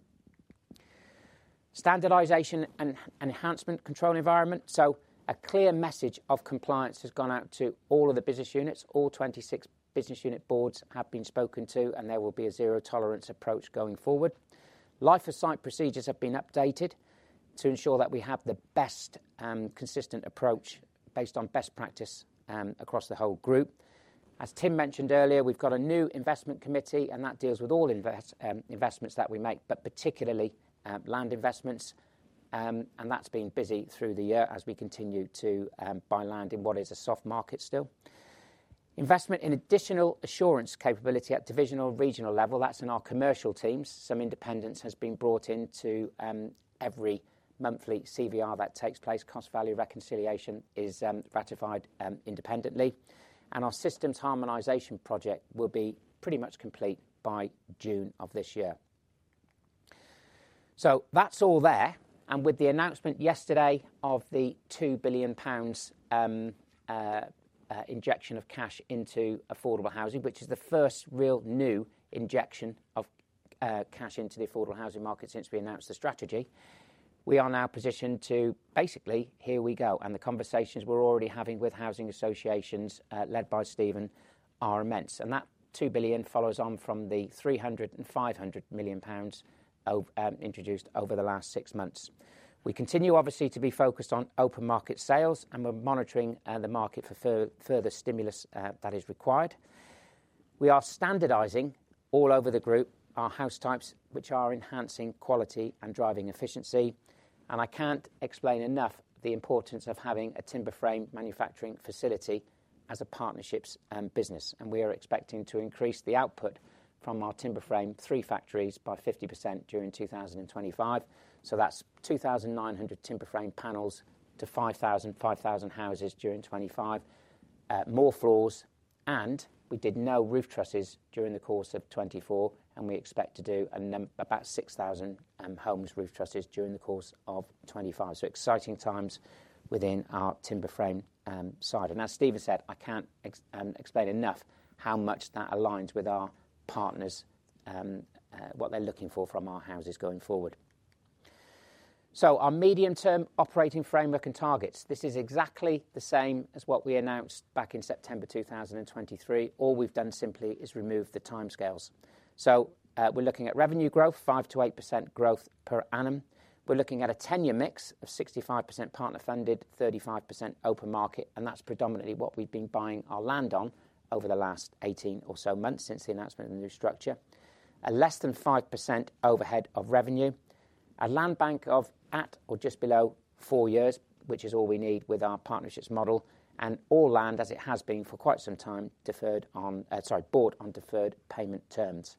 [SPEAKER 1] Standardization and enhancement control environment. A clear message of compliance has gone out to all of the business units. All 26 business unit boards have been spoken to, and there will be a zero tolerance approach going forward. Life-of-site procedures have been updated to ensure that we have the best consistent approach based on best practice across the whole group. As Tim mentioned earlier, we've got a new investment committee, and that deals with all investments that we make, particularly land investments. That has been busy through the year as we continue to buy land in what is a soft market still. Investment in additional assurance capability at divisional regional level, that is in our commercial teams. Some independence has been brought into every monthly CVR that takes place. Cost Value Reconciliation is ratified independently. Our systems harmonization project will be pretty much complete by June of this year. That is all there. With the announcement yesterday of the 2 billion pounds injection of cash into affordable housing, which is the first real new injection of cash into the affordable housing market since we announced the strategy, we are now positioned to basically, here we go. The conversations we are already having with housing associations led by Stephen are immense. That 2 billion follows on from the 300 million pounds and 500 million pounds introduced over the last six months. We continue, obviously, to be focused on open market sales, and we are monitoring the market for further stimulus that is required. We are standardizing all over the group our house types, which are enhancing quality and driving efficiency. I cannot explain enough the importance of having a timber frame manufacturing facility as a partnerships business. We are expecting to increase the output from our timber frame three factories by 50% during 2025. That is 2,900 timber frame panels to 5,000, 5,000 houses during 2025, more floors. We did no roof trusses during the course of 2024, and we expect to do about 6,000 homes roof trusses during the course of 2025. Exciting times within our timber frame side. As Stephen said, I can't explain enough how much that aligns with our partners, what they're looking for from our houses going forward. Our medium-term operating framework and targets. This is exactly the same as what we announced back in September 2023. All we've done simply is remove the timescales. We're looking at revenue growth, 5%-8% growth per annum. We're looking at a tenure mix of 65% partner funded, 35% open market. That's predominantly what we've been buying our land on over the last 18 or so months since the announcement of the new structure. A less than 5% overhead of revenue, a land bank of at or just below four years, which is all we need with our partnerships model, and all land as it has been for quite some time bought on deferred payment terms.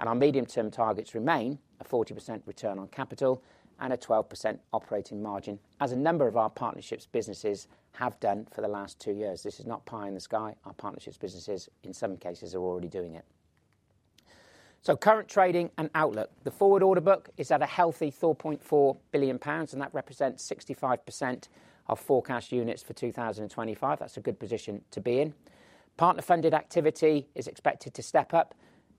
[SPEAKER 1] Our medium-term targets remain a 40% return on capital and a 12% operating margin, as a number of our partnerships businesses have done for the last two years. This is not pie in the sky. Our partnerships businesses, in some cases, are already doing it. Current trading and outlook. The forward order book is at a healthy 4.4 billion pounds, and that represents 65% of forecast units for 2025. That is a good position to be in. Partner funded activity is expected to step up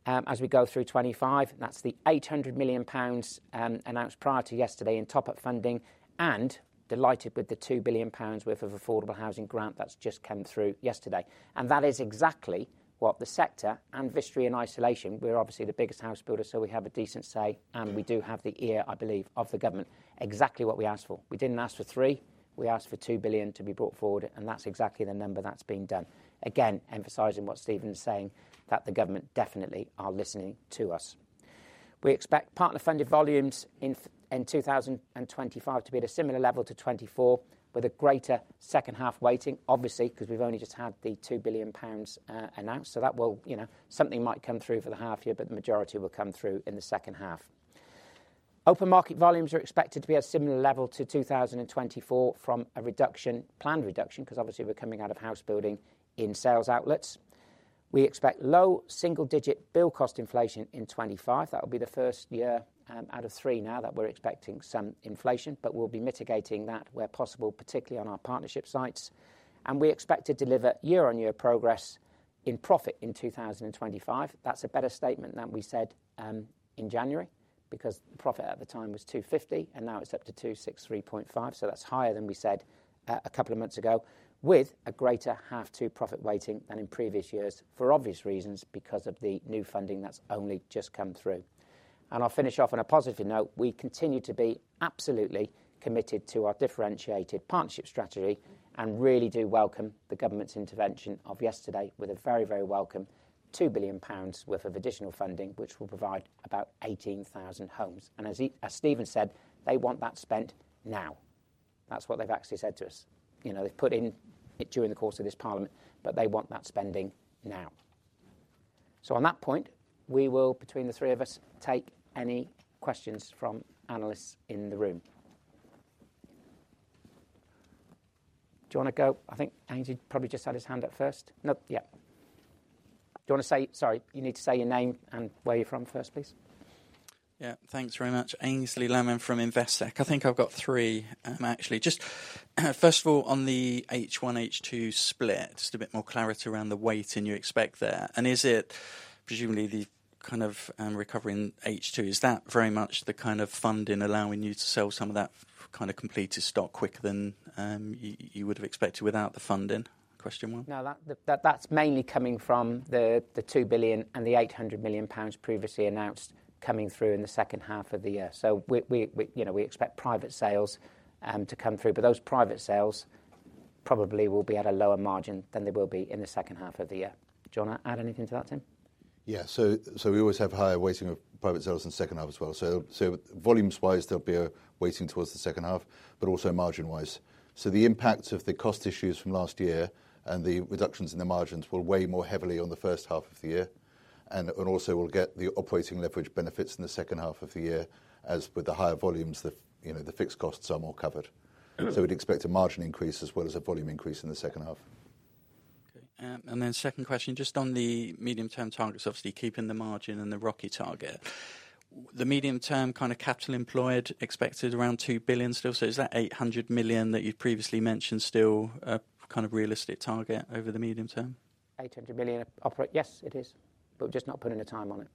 [SPEAKER 1] as we go through 2025. That's the 800 million pounds announced prior to yesterday in top-up funding, and delighted with the 2 billion pounds worth of affordable housing grant that's just come through yesterday. That is exactly what the sector and Vistry in isolation. We're obviously the biggest housebuilder, so we have a decent say, and we do have the ear, I believe, of the government, exactly what we asked for. We didn't ask for three. We asked for 2 billion to be brought forward, and that's exactly the number that's been done. Again, emphasizing what Stephen is saying, that the government definitely are listening to us. We expect partner funded volumes in 2025 to be at a similar level to 2024, with a greater second half weighting, obviously, because we've only just had the 2 billion pounds announced. That will, you know, something might come through for the half year, but the majority will come through in the second half. Open market volumes are expected to be at a similar level to 2024 from a reduction, planned reduction, because obviously we're coming out of housebuilding in sales outlets. We expect low single-digit build cost inflation in 2025. That will be the first year out of three now that we're expecting some inflation, but we'll be mitigating that where possible, particularly on our partnership sites. We expect to deliver year-on-year progress in profit in 2025. That's a better statement than we said in January, because the profit at the time was 250 million, and now it's up to 263.5 million. That is higher than we said a couple of months ago, with a greater half to profit weighting than in previous years for obvious reasons because of the new funding that has only just come through. I will finish off on a positive note. We continue to be absolutely committed to our differentiated partnership strategy and really do welcome the government's intervention of yesterday with a very, very welcome 2 billion pounds worth of additional funding, which will provide about 18,000 homes. As Stephen said, they want that spent now. That is what they have actually said to us. You know, they have put in it during the course of this parliament, but they want that spending now. On that point, we will, between the three of us, take any questions from analysts in the room. Do you want to go? I think Aynsley probably just had his hand up first. No, yeah. Do you want to say, sorry, you need to say your name and where you're from first, please?
[SPEAKER 4] Yeah, thanks very much. Aynsley Lammin from Investec. I think I've got three, actually. Just first of all, on the H1, H2 split, just a bit more clarity around the weighting you expect there. Is it presumably the kind of recovering H2? Is that very much the kind of funding allowing you to sell some of that kind of completed stock quicker than you would have expected without the funding? Question one.
[SPEAKER 1] No, that's mainly coming from the 2 billion and the 800 million pounds previously announced coming through in the second half of the year. We expect private sales to come through, but those private sales probably will be at a lower margin than they will be in the second half of the year. Do you want to add anything to that, Tim?
[SPEAKER 2] Yeah, we always have higher weighting of private sales in the second half as well. Volumes-wise, there will be a weighting towards the second half, but also margin-wise. The impact of the cost issues from last year and the reductions in the margins will weigh more heavily on the first half of the year. We will get the operating leverage benefits in the second half of the year, as with the higher volumes, the fixed costs are more covered. We would expect a margin increase as well as a volume increase in the second half.
[SPEAKER 4] Okay. Second question, just on the medium-term targets, obviously keeping the margin and the ROI target. The medium-term kind of capital employed expected around 2 billion still. Is that 800 million that you've previously mentioned still a kind of realistic target over the medium term?
[SPEAKER 1] 800 million, yes, it is, but we're just not putting a time on it.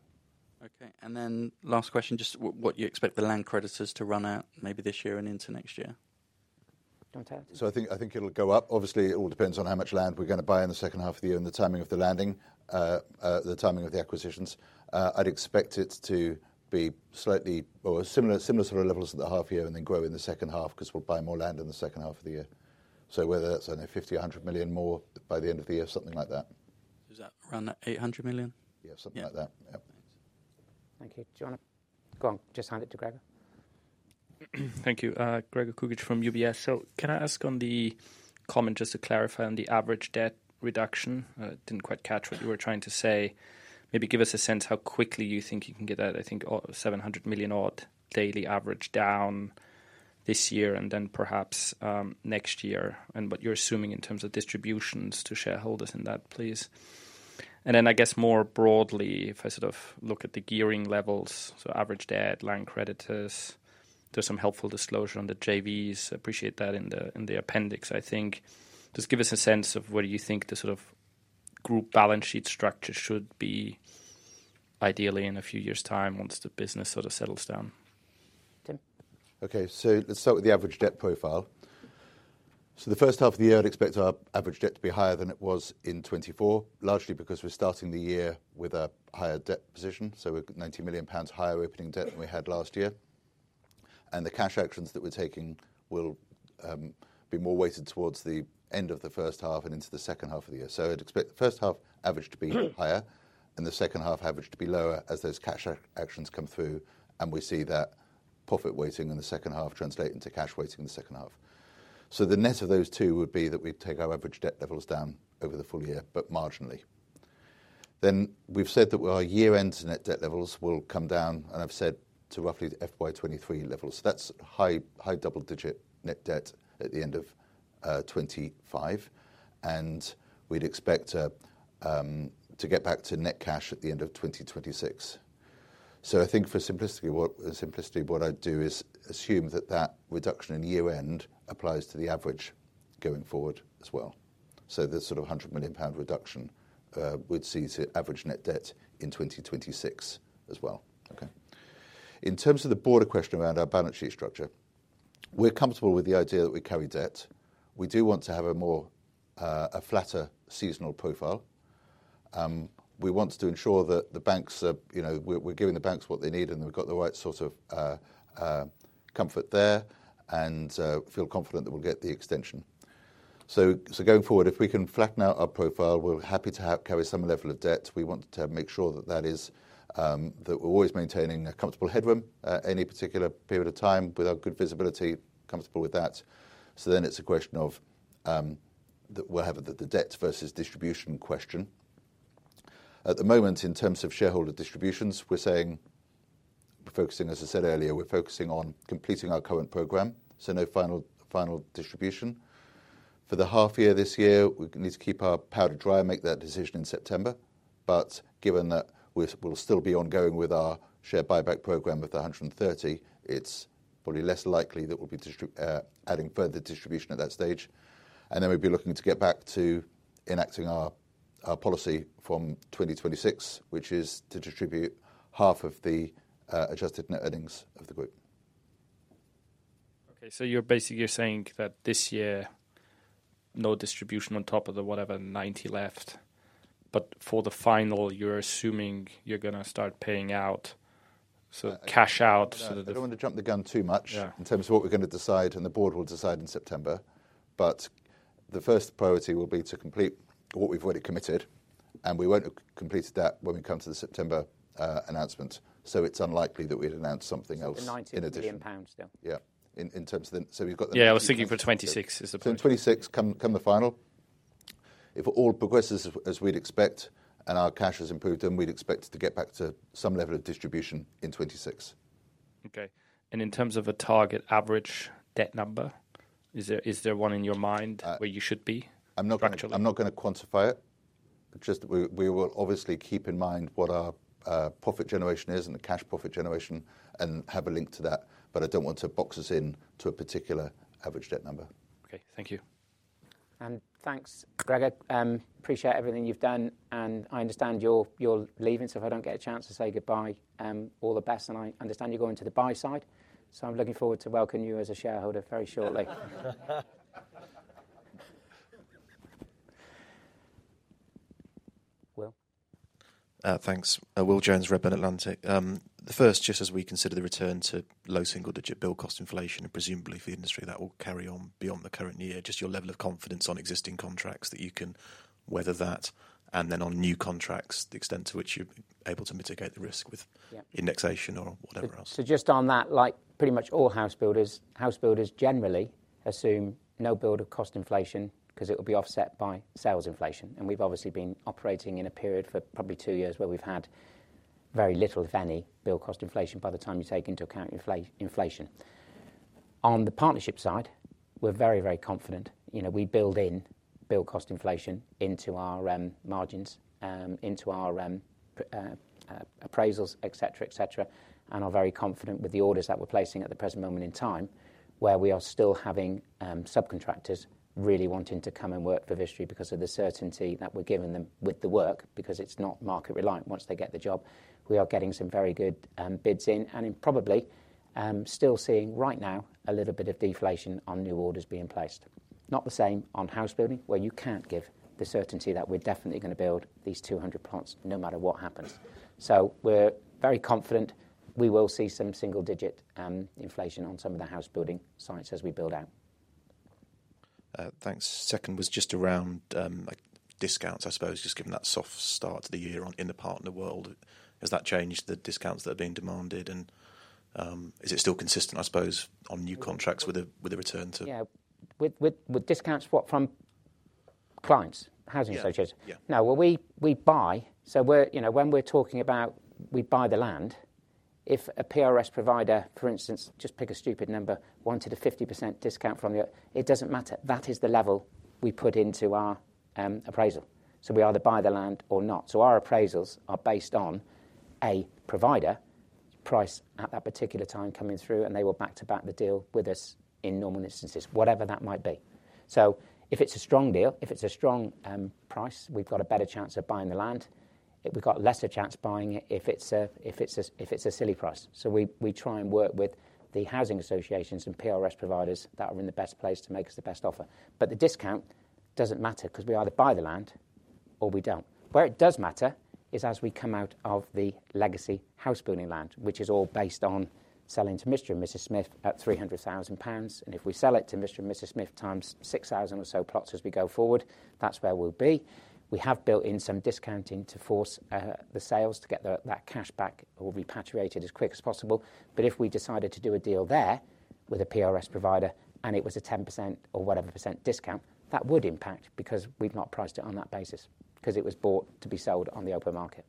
[SPEAKER 4] Okay. Last question, just what you expect the land creditors to run out maybe this year and into next year?
[SPEAKER 2] I think it'll go up. Obviously, it all depends on how much land we're going to buy in the second half of the year and the timing of the landing, the timing of the acquisitions. I'd expect it to be slightly or similar sort of levels in the half year and then grow in the second half because we'll buy more land in the second half of the year. Whether that's, I don't know, 50 million-100 million more by the end of the year, something like that.
[SPEAKER 4] Is that around that 800 million?
[SPEAKER 2] Yeah, something like that.
[SPEAKER 4] Yeah. Thank you.
[SPEAKER 1] John, go on. Just hand it to Gregor.
[SPEAKER 5] Thank you. Gregor Kuglitsch from UBS. Can I ask on the comment just to clarify on the average debt reduction? Didn't quite catch what you were trying to say. Maybe give us a sense how quickly you think you can get that, I think, 700 million odd daily average down this year and then perhaps next year and what you're assuming in terms of distributions to shareholders in that, please. I guess more broadly, if I sort of look at the gearing levels, so average debt, land creditors, there's some helpful disclosure on the JVs. Appreciate that in the appendix, I think. Just give us a sense of what do you think the sort of group balance sheet structure should be ideally in a few years' time once the business sort of settles down.
[SPEAKER 2] Okay, so let's start with the average debt profile. The first half of the year, I'd expect our average debt to be higher than it was in 2024, largely because we're starting the year with a higher debt position. We're 90 million pounds higher opening debt than we had last year. The cash actions that we're taking will be more weighted towards the end of the first half and into the second half of the year. I'd expect the first half average to be higher and the second half average to be lower as those cash actions come through. We see that profit weighting in the second half translates into cash weighting in the second half. The net of those two would be that we take our average debt levels down over the full year, but marginally. We have said that our year-end net debt levels will come down, and I have said to roughly 2023 levels. That is high double-digit net debt at the end of 2025. We would expect to get back to net cash at the end of 2026. I think for simplicity, what I would do is assume that that reduction in year-end applies to the average going forward as well. The sort of 100 million pound reduction would see to average net debt in 2026 as well. Okay. In terms of the broader question around our balance sheet structure, we are comfortable with the idea that we carry debt. We do want to have a flatter seasonal profile. We want to ensure that the banks, we're giving the banks what they need, and we've got the right sort of comfort there and feel confident that we'll get the extension. Going forward, if we can flatten out our profile, we're happy to carry some level of debt. We want to make sure that we're always maintaining a comfortable headroom at any particular period of time with our good visibility, comfortable with that. It is a question of that we'll have the debt versus distribution question. At the moment, in terms of shareholder distributions, we're saying, as I said earlier, we're focusing on completing our current program, so no final distribution. For the half year this year, we need to keep our powder dry, make that decision in September. Given that we'll still be ongoing with our share buyback program with the 130 million, it's probably less likely that we'll be adding further distribution at that stage. We'll be looking to get back to enacting our policy from 2026, which is to distribute half of the adjusted net earnings of the group.
[SPEAKER 5] Okay, so you're basically saying that this year, no distribution on top of the whatever 90 left, but for the final, you're assuming you're going to start paying out, so cash out.
[SPEAKER 2] I don't want to jump the gun too much in terms of what we're going to decide, and the board will decide in September. The first priority will be to complete what we've already committed, and we won't have completed that when we come to the September announcement. It's unlikely that we'd announce something else in addition.
[SPEAKER 5] GBP 90 million still.
[SPEAKER 2] Yeah, in terms of the...
[SPEAKER 5] I was thinking for 2026 is the plan.
[SPEAKER 2] 2026, come the final, if it all progresses as we'd expect and our cash has improved, then we'd expect to get back to some level of distribution in 2026.
[SPEAKER 5] Okay. In terms of a target average debt number, is there one in your mind where you should be?
[SPEAKER 2] I'm not going to quantify it. We will obviously keep in mind what our profit generation is and the cash profit generation and have a link to that. I don't want to box us in to a particular average debt number.
[SPEAKER 5] Okay, thank you.
[SPEAKER 1] Thanks, Gregor. Appreciate everything you've done. I understand you'll leave and so if I don't get a chance to say goodbye, all the best. I understand you're going to the buy side. I'm looking forward to welcoming you as a shareholder very shortly. Will?
[SPEAKER 6] Thanks. Will Jones from Redburn Atlantic. The first, just as we consider the return to low single-digit build cost inflation, and presumably for the industry, that will carry on beyond the current year, just your level of confidence on existing contracts that you can weather that, and then on new contracts, the extent to which you're able to mitigate the risk with indexation or whatever else.
[SPEAKER 1] Just on that, like pretty much all housebuilders, housebuilders generally assume no build cost inflation because it will be offset by sales inflation. We've obviously been operating in a period for probably two years where we've had very little, if any, build cost inflation by the time you take into account inflation. On the partnership side, we're very, very confident. We build in build cost inflation into our margins, into our appraisals, etc., etc. We are very confident with the orders that we're placing at the present moment in time, where we are still having subcontractors really wanting to come and work for Vistry because of the certainty that we're giving them with the work, because it's not market reliant once they get the job. We are getting some very good bids in and probably still seeing right now a little bit of deflation on new orders being placed. Not the same on housebuilding, where you can't give the certainty that we're definitely going to build these 200 plots no matter what happens. We are very confident we will see some single digit inflation on some of the housebuilding sites as we build out.
[SPEAKER 6] Thanks. Second was just around discounts, I suppose, just giving that soft start to the year in the partner world. Has that changed the discounts that are being demanded? Is it still consistent, I suppose, on new contracts with a return to?
[SPEAKER 1] Yeah, with discounts from clients, housing associations. Now, we buy, so when we're talking about we buy the land, if a PRS provider, for instance, just pick a stupid number, wanted a 50% discount from you, it doesn't matter. That is the level we put into our appraisal. We either buy the land or not. Our appraisals are based on a provider price at that particular time coming through, and they will back to back the deal with us in normal instances, whatever that might be. If it's a strong deal, if it's a strong price, we've got a better chance of buying the land. We've got lesser chance buying it if it's a silly price. We try and work with the housing associations and PRS providers that are in the best place to make us the best offer. The discount doesn't matter because we either buy the land or we don't. Where it does matter is as we come out of the legacy housebuilding land, which is all based on selling to Mr. and Mrs. Smith at 300,000 pounds. If we sell it to Mr. and Mrs. Smith times 6,000 or so plots as we go forward, that's where we'll be. We have built in some discounting to force the sales to get that cash back or repatriated as quick as possible. If we decided to do a deal there with a PRS provider and it was a 10% or whatever percentage discount, that would impact because we've not priced it on that basis because it was bought to be sold on the open market.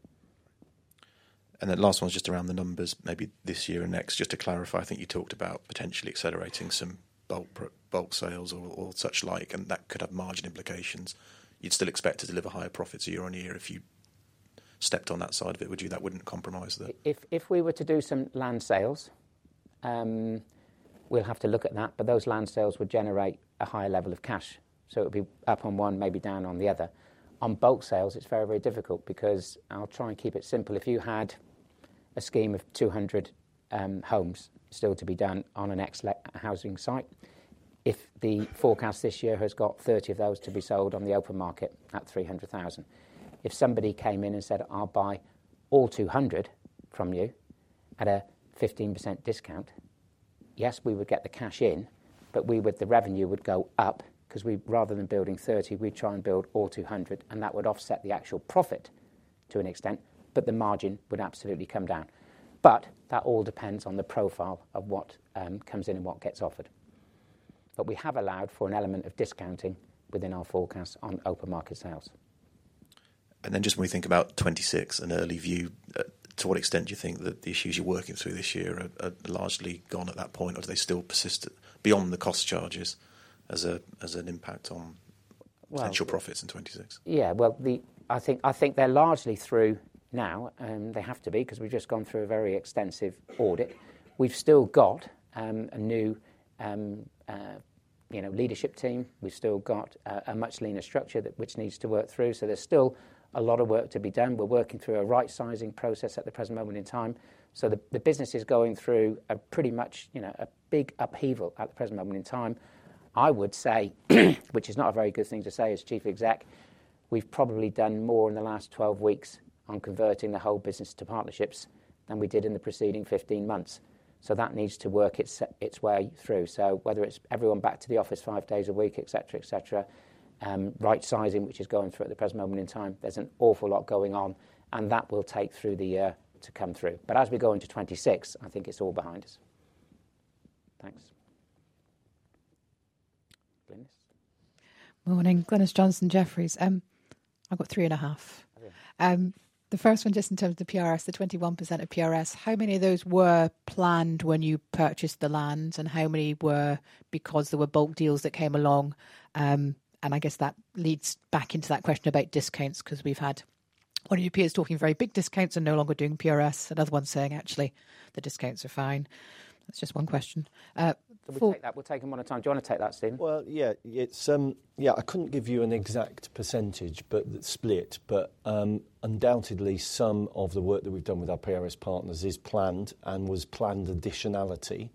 [SPEAKER 6] That last one is just around the numbers, maybe this year and next. Just to clarify, I think you talked about potentially accelerating some bulk sales or such like, and that could have margin implications. You'd still expect to deliver higher profits year-on-year if you stepped on that side of it. Would you, that wouldn't compromise that?
[SPEAKER 1] If we were to do some land sales, we'll have to look at that, but those land sales would generate a higher level of cash. It would be up on one, maybe down on the other. On bulk sales, it's very, very difficult because I'll try and keep it simple. If you had a scheme of 200 homes still to be done on an ex-housing site, if the forecast this year has got 30 homes of those to be sold on the open market at 300,000, if somebody came in and said, "I'll buy all 200 homes from you at a 15% discount," yes, we would get the cash in, but the revenue would go up because rather than building 30 homes, we'd try and build all 200 homes, and that would offset the actual profit to an extent, but the margin would absolutely come down. That all depends on the profile of what comes in and what gets offered. We have allowed for an element of discounting within our forecast on open market sales.
[SPEAKER 6] Just when we think about 2026 and early view, to what extent do you think that the issues you're working through this year are largely gone at that point, or do they still persist beyond the cost charges as an impact on potential profits in 2026?
[SPEAKER 1] Yeah, I think they're largely through now, and they have to be because we've just gone through a very extensive audit. We've still got a new leadership team. We've still got a much leaner structure which needs to work through. There's still a lot of work to be done. We're working through a right-sizing process at the present moment in time. The business is going through pretty much a big upheaval at the present moment in time, I would say, which is not a very good thing to say as Chief Exec. We've probably done more in the last 12 weeks on converting the whole business to partnerships than we did in the preceding 15 months. That needs to work its way through. Whether it's everyone back to the office five days a week, etc., etc., right-sizing, which is going through at the present moment in time, there's an awful lot going on, and that will take through the year to come through. As we go into 2026, I think it's all behind us.
[SPEAKER 6] Thanks.
[SPEAKER 7] Morning. Glynis Johnson Jefferies. I've got three and a half. The first one, just in terms of the PRS, the 21% of PRS, how many of those were planned when you purchased the land, and how many were because there were bulk deals that came along? I guess that leads back into that question about discounts because we've had one of your peers talking very big discounts and no longer doing PRS, another one saying actually the discounts are fine. That's just one question.
[SPEAKER 1] We'll take that. We'll take them one at a time. Do you want to take that, Stephen?
[SPEAKER 3] Yeah, yeah, I couldn't give you an exact percentage, but split. Undoubtedly, some of the work that we've done with our PRS partners is planned and was planned additionality.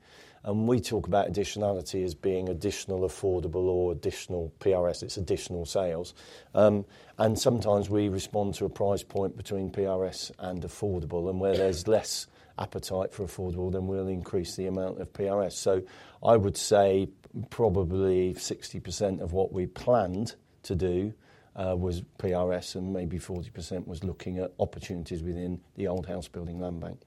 [SPEAKER 3] We talk about additionality as being additional affordable or additional PRS. It's additional sales. Sometimes we respond to a price point between PRS and affordable. Where there's less appetite for affordable, then we'll increase the amount of PRS. I would say probably 60% of what we planned to do was PRS, and maybe 40% was looking at opportunities within the old housebuilding land bank.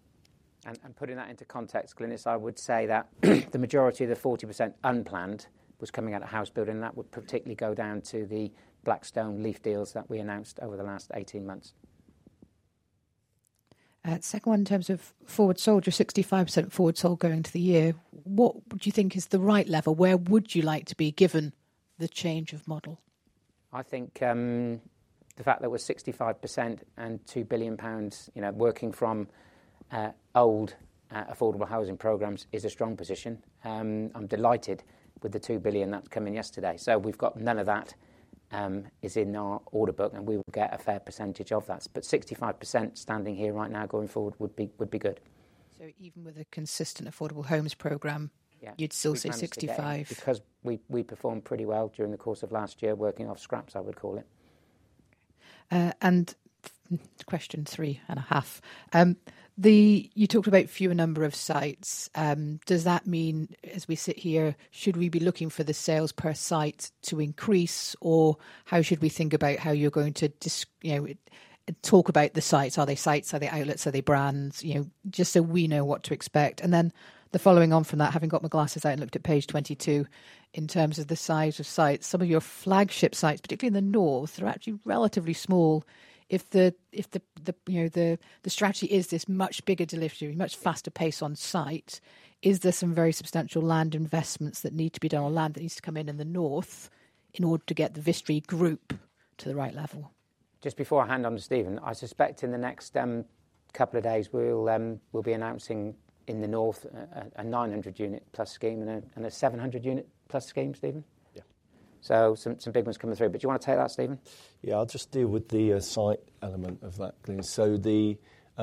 [SPEAKER 1] Putting that into context, Glynis, I would say that the majority of the 40% unplanned was coming out of housebuilding, and that would particularly go down to the Blackstone, Leaf deals that we announced over the last 18 months.
[SPEAKER 7] Second one, in terms of forward sold, you are 65% forward sold going into the year. What would you think is the right level? Where would you like to be given the change of model?
[SPEAKER 1] I think the fact that we are 65% and 2 billion pounds working from old affordable housing programs is a strong position. I am delighted with the 2 billion that has come in yesterday. None of that is in our order book, and we will get a fair percentage of that. 65% standing here right now going forward would be good.
[SPEAKER 7] Even with a consistent affordable homes program, you'd still say 65%?
[SPEAKER 1] Because we performed pretty well during the course of last year working off scraps, I would call it.
[SPEAKER 7] Question three and a half. You talked about fewer number of sites. Does that mean, as we sit here, should we be looking for the sales per site to increase, or how should we think about how you're going to talk about the sites? Are they sites? Are they outlets? Are they brands? Just so we know what to expect. Following on from that, having got my glasses out and looked at page 22, in terms of the size of sites, some of your flagship sites, particularly in the north, are actually relatively small. If the strategy is this much bigger delivery, much faster pace on site, is there some very substantial land investments that need to be done or land that needs to come in in the north in order to get the Vistry Group to the right level?
[SPEAKER 1] Just before I hand on to Stephen, I suspect in the next couple of days, we'll be announcing in the north a 900 unit plus scheme and a 700 unit+ scheme, Stephen. Some big ones coming through. Do you want to take that, Stephen?
[SPEAKER 3] Yeah, I'll just deal with the site element of that, Glynis.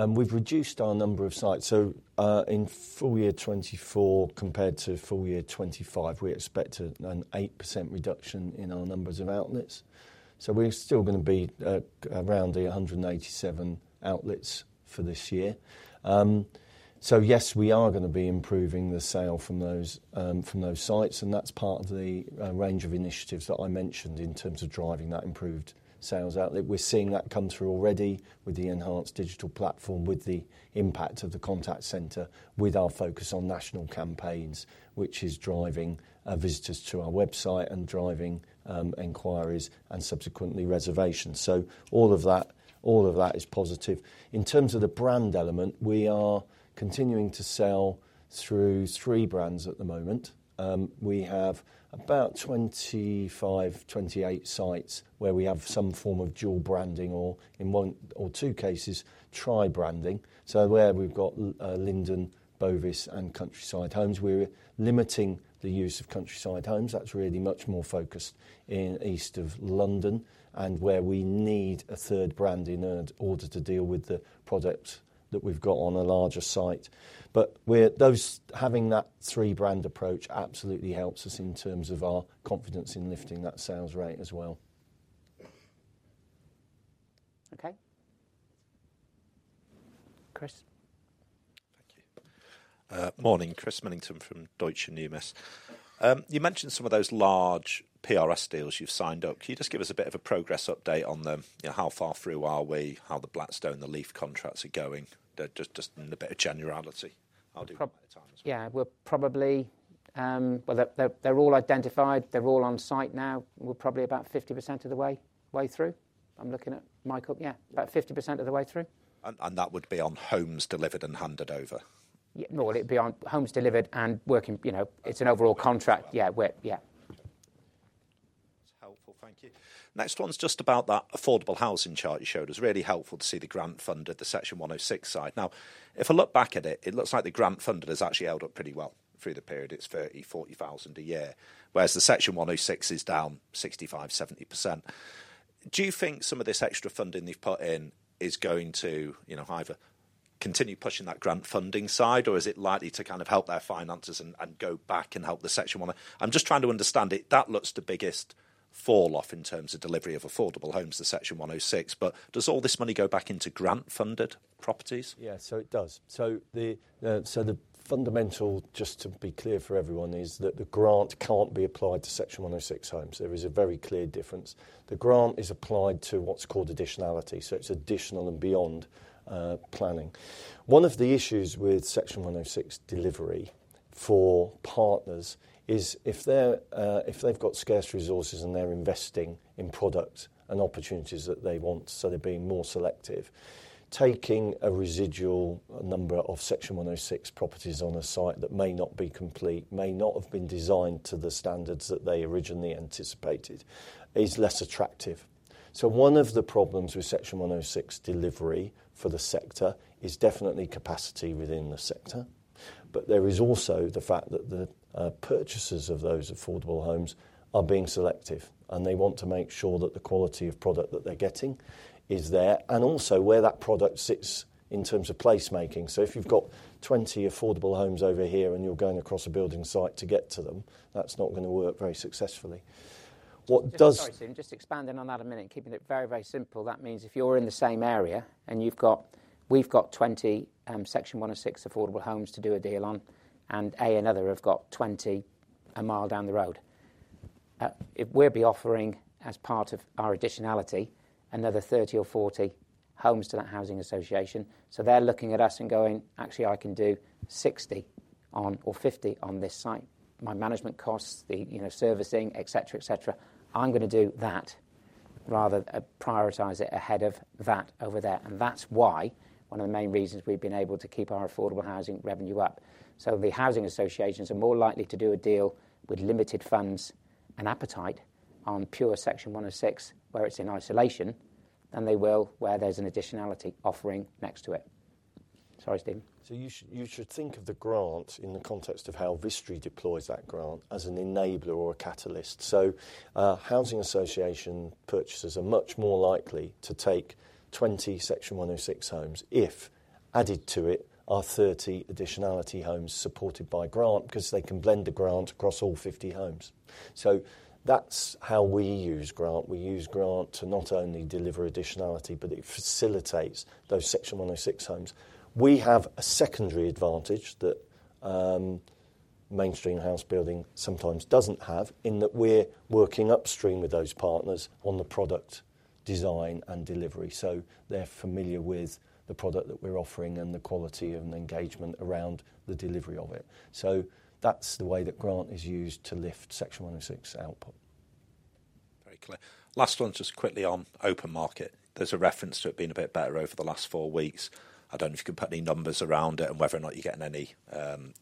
[SPEAKER 3] We've reduced our number of sites. In full year 2024 compared to full year 2025, we expect an 8% reduction in our numbers of outlets. We are still going to be around the 187 outlets for this year. Yes, we are going to be improving the sale from those sites. That is part of the range of initiatives that I mentioned in terms of driving that improved sales outlet. We are seeing that come through already with the enhanced digital platform, with the impact of the contact center, with our focus on national campaigns, which is driving visitors to our website and driving inquiries and subsequently reservations. All of that is positive. In terms of the brand element, we are continuing to sell through three brands at the moment. We have about 25 sites-28 sites where we have some form of dual branding or, in one or two cases, tri-branding. Where we've got Linden, Bovis, and Countryside Homes, we're limiting the use of Countryside Homes. That's really much more focused in east of London and where we need a third brand in order to deal with the products that we've got on a larger site. Having that three-brand approach absolutely helps us in terms of our confidence in lifting that sales rate as well.
[SPEAKER 7] Okay.
[SPEAKER 1] Chris.
[SPEAKER 8] Thank you. Morning. Chris Millington from Deutsche Numis. You mentioned some of those large PRS deals you've signed up. Can you just give us a bit of a progress update on them? How far through are we? How the Blackstone and the Leaf contracts are going? Just in a bit of generality. I'll do that at a time as well.
[SPEAKER 1] Yeah, they're all identified. They're all on site now. We're probably about 50% of the way through. I'm looking at Michael. Yeah, about 50% of the way through.
[SPEAKER 8] And that would be on homes delivered and handed over?
[SPEAKER 1] No, it'd be on homes delivered and working. It's an overall contract. Yeah, yeah.
[SPEAKER 8] That's helpful. Thank you. Next one's just about that affordable housing chart you showed. It was really helpful to see the grant funded, the Section 106 side. Now, if I look back at it, it looks like the grant funded has actually held up pretty well through the period. It's 30,000-40,000 a year, whereas the Section 106 is down 65%-70%. Do you think some of this extra funding they've put in is going to either continue pushing that grant funding side, or is it likely to kind of help their finances and go back and help the Section 106? I'm just trying to understand it. That looks the biggest falloff in terms of delivery of affordable homes, the Section 106. Does all this money go back into grant funded properties?
[SPEAKER 3] Yeah, it does. The fundamental, just to be clear for everyone, is that the grant can't be applied to Section 106 homes. There is a very clear difference. The grant is applied to what's called additionality. It is additional and beyond planning. One of the issues with Section 106 delivery for partners is if they've got scarce resources and they're investing in products and opportunities that they want, they're being more selective, taking a residual number of Section 106 properties on a site that may not be complete, may not have been designed to the standards that they originally anticipated, is less attractive. One of the problems with Section 106 delivery for the sector is definitely capacity within the sector. There is also the fact that the purchasers of those affordable homes are being selective, and they want to make sure that the quality of product that they're getting is there, and also where that product sits in terms of placemaking. If you've got 20 affordable homes over here and you're going across a building site to get to them, that's not going to work very successfully. What does?
[SPEAKER 1] Just expanding on that a minute, keeping it very, very simple. That means if you're in the same area and we've got 20 Section 106 affordable homes to do a deal on, and A and other have got 20 a mile down the road, we'll be offering, as part of our additionality, another 30 homes or 40 homes to that housing association. They're looking at us and going, "Actually, I can do 60 homes or 50 homes on this site. My management costs, the servicing, etc., etc. I'm going to do that rather than prioritize it ahead of that over there." That is one of the main reasons we've been able to keep our affordable housing revenue up. The housing associations are more likely to do a deal with limited funds and appetite on pure Section 106, where it's in isolation, than they will where there's an additionality offering next to it. Sorry, Stephen.
[SPEAKER 3] You should think of the grant in the context of how Vistry deploys that grant as an enabler or a catalyst. Housing association purchasers are much more likely to take 20 Section 106 homes if, added to it, are 30 additionality homes supported by grant because they can blend the grant across all 50 homes. That's how we use grant. We use grant to not only deliver additionality, but it facilitates those Section 106 homes. We have a secondary advantage that mainstream housebuilding sometimes doesn't have in that we're working upstream with those partners on the product design and delivery. They're familiar with the product that we're offering and the quality and engagement around the delivery of it. That's the way that grant is used to lift Section 106 output.
[SPEAKER 8] Very clear. Last one, just quickly on open market. There's a reference to it being a bit better over the last four weeks. I don't know if you can put any numbers around it and whether or not you're getting any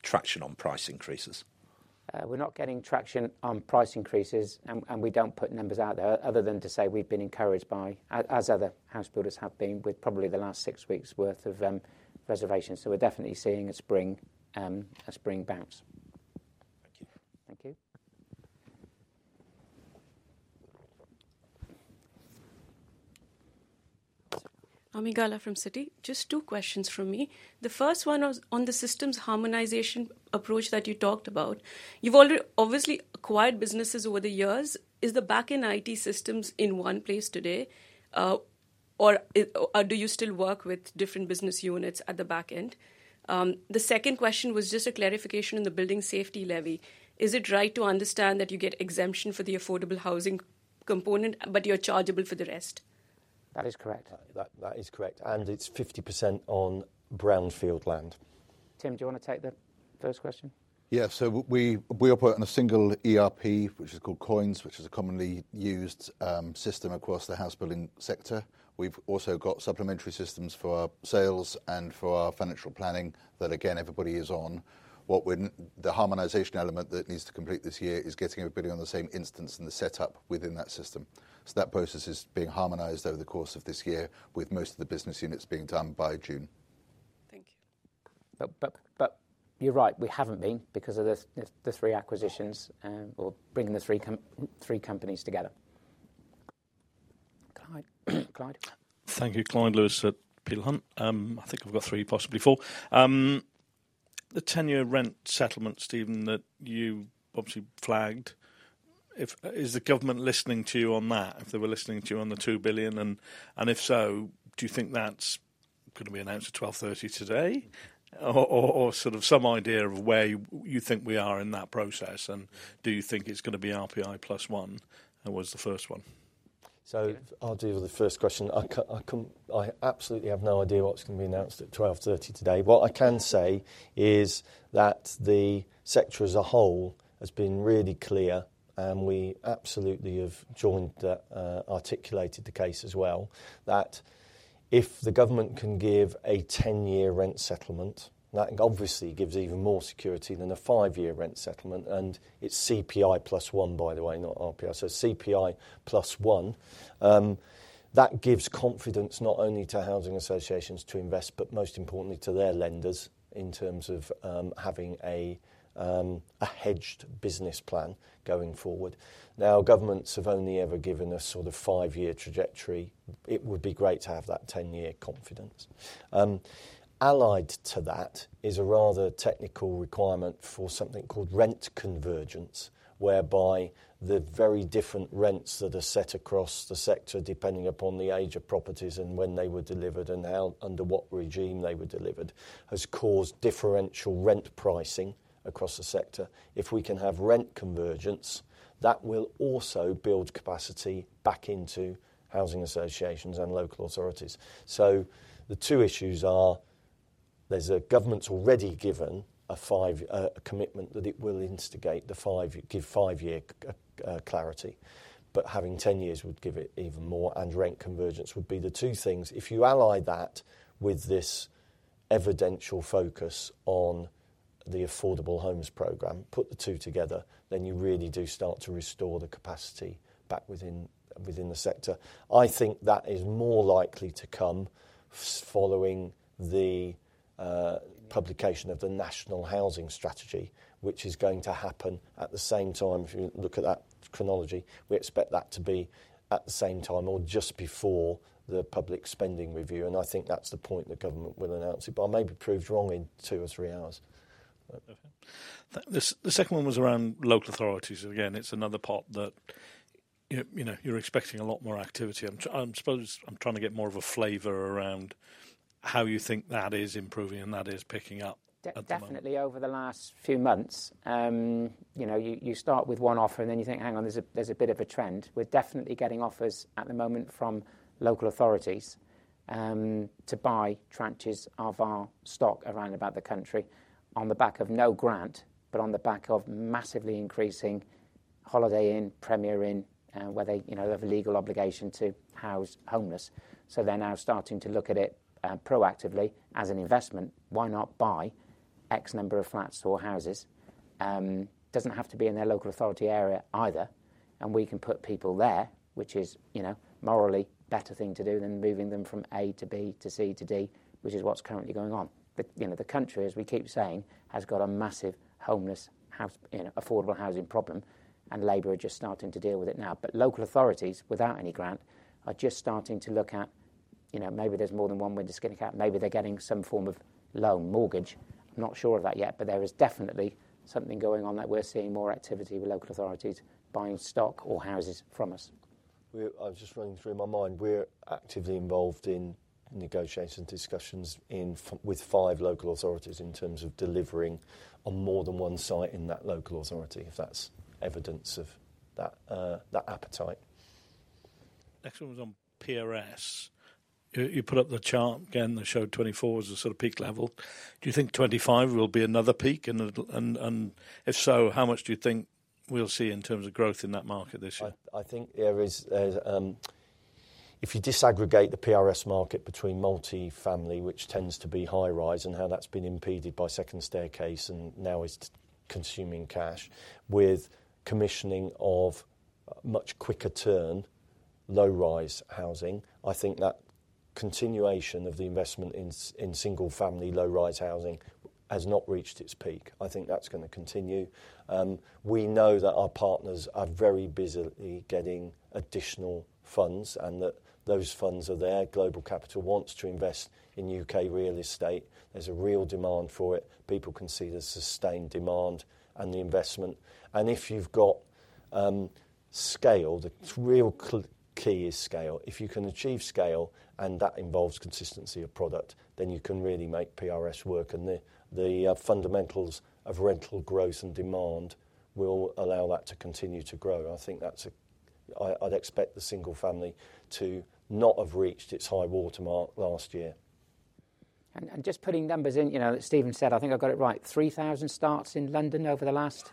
[SPEAKER 8] traction on price increases.
[SPEAKER 1] We're not getting traction on price increases, and we don't put numbers out there other than to say we've been encouraged by, as other housebuilders have been, with probably the last six weeks' worth of reservations. We're definitely seeing a spring bounce.
[SPEAKER 8] Thank you. Thank you.
[SPEAKER 9] Ami Galla from Citi. Just two questions from me. The first one was on the systems harmonisation approach that you talked about. You've obviously acquired businesses over the years. Is the back-end IT systems in one place today, or do you still work with different business units at the back end? The second question was just a clarification in the building safety levy. Is it right to understand that you get exemption for the affordable housing component, but you're chargeable for the rest?
[SPEAKER 1] That is correct. That is correct. And it's 50% on brownfield land. Tim, do you want to take the first question?
[SPEAKER 2] Yeah. We operate on a single ERP, which is called Coins, which is a commonly used system across the housebuilding sector. We've also got supplementary systems for our sales and for our financial planning that, again, everybody is on. The harmonization element that needs to complete this year is getting everybody on the same instance and the setup within that system. That process is being harmonized over the course of this year, with most of the business units being done by June.
[SPEAKER 9] Thank you.
[SPEAKER 1] You're right. We haven't been because of the three acquisitions or bringing the three companies together. Clyde.
[SPEAKER 10] Thank you. Clyde Lewis at Peel Hunt. I think I've got three, possibly four. The tenure rent settlement, Stephen, that you obviously flagged, is the government listening to you on that? If they were listening to you on the 2 billion, and if so, do you think that's going to be announced at 12:30 today or sort of some idea of where you think we are in that process? Do you think it's going to be RPI plus one? That was the first one.
[SPEAKER 3] I'll deal with the first question. I absolutely have no idea what's going to be announced at 12:30 today. What I can say is that the sector as a whole has been really clear, and we absolutely have joined, articulated the case as well, that if the government can give a ten-year rent settlement, that obviously gives even more security than a five-year rent settlement. It's CPI +1%, by the way, not RPI. CPI +1%. That gives confidence not only to housing associations to invest, but most importantly, to their lenders in terms of having a hedged business plan going forward. Now, governments have only ever given a sort of five-year trajectory. It would be great to have that ten-year confidence. Allied to that is a rather technical requirement for something called rent convergence, whereby the very different rents that are set across the sector, depending upon the age of properties and when they were delivered and under what regime they were delivered, has caused differential rent pricing across the sector. If we can have rent convergence, that will also build capacity back into housing associations and local authorities. The two issues are there's a government's already given a commitment that it will instigate the five-year clarity, but having ten years would give it even more, and rent convergence would be the two things. If you ally that with this evidential focus on the affordable homes program, put the two together, then you really do start to restore the capacity back within the sector. I think that is more likely to come following the publication of the National Housing Strategy, which is going to happen at the same time. If you look at that chronology, we expect that to be at the same time or just before the public spending review. I think that's the point the government will announce it, but I may be proved wrong in two or three hours.
[SPEAKER 10] The second one was around local authorities. Again, it's another part that you're expecting a lot more activity. I suppose I'm trying to get more of a flavor around how you think that is improving and that is picking up.
[SPEAKER 1] Definitely over the last few months, you start with one offer, and then you think, "Hang on, there's a bit of a trend." We're definitely getting offers at the moment from local authorities to buy tranches of our stock around about the country on the back of no grant, but on the back of massively increasing Holiday Inn, Premier Inn, where they have a legal obligation to house homeless. They are now starting to look at it proactively as an investment. Why not buy X number of flats or houses? It does not have to be in their local authority area either. We can put people there, which is a morally better thing to do than moving them from A to B to C to D, which is what is currently going on. The country, as we keep saying, has got a massive homeless affordable housing problem, and Labour are just starting to deal with it now. Local authorities, without any grant, are just starting to look at maybe there is more than one window skinny cap. Maybe they are getting some form of loan, mortgage. I am not sure of that yet, but there is definitely something going on that we are seeing more activity with local authorities buying stock or houses from us.
[SPEAKER 3] I was just running through my mind. We are actively involved in negotiation discussions with five local authorities in terms of delivering on more than one site in that local authority, if that is evidence of that appetite.
[SPEAKER 10] Next one was on PRS. You put up the chart again. They showed 2024 was the sort of peak level. Do you think 2025 will be another peak? If so, how much do you think we'll see in terms of growth in that market this year?
[SPEAKER 3] I think there is, if you disaggregate the PRS market between multifamily, which tends to be high rise, and how that's been impeded by second staircase and now is consuming cash, with commissioning of much quicker turn, low rise housing, I think that continuation of the investment in single family, low rise housing has not reached its peak. I think that's going to continue. We know that our partners are very busily getting additional funds and that those funds are there. Global capital wants to invest in U.K. real estate. There's a real demand for it. People can see the sustained demand and the investment. If you've got scale, the real key is scale. If you can achieve scale, and that involves consistency of product, then you can really make PRS work. The fundamentals of rental growth and demand will allow that to continue to grow. I think I'd expect the single family to not have reached its high watermark last year.
[SPEAKER 1] Just putting numbers in, Stephen said, I think I've got it right, 3,000 starts in London over the last,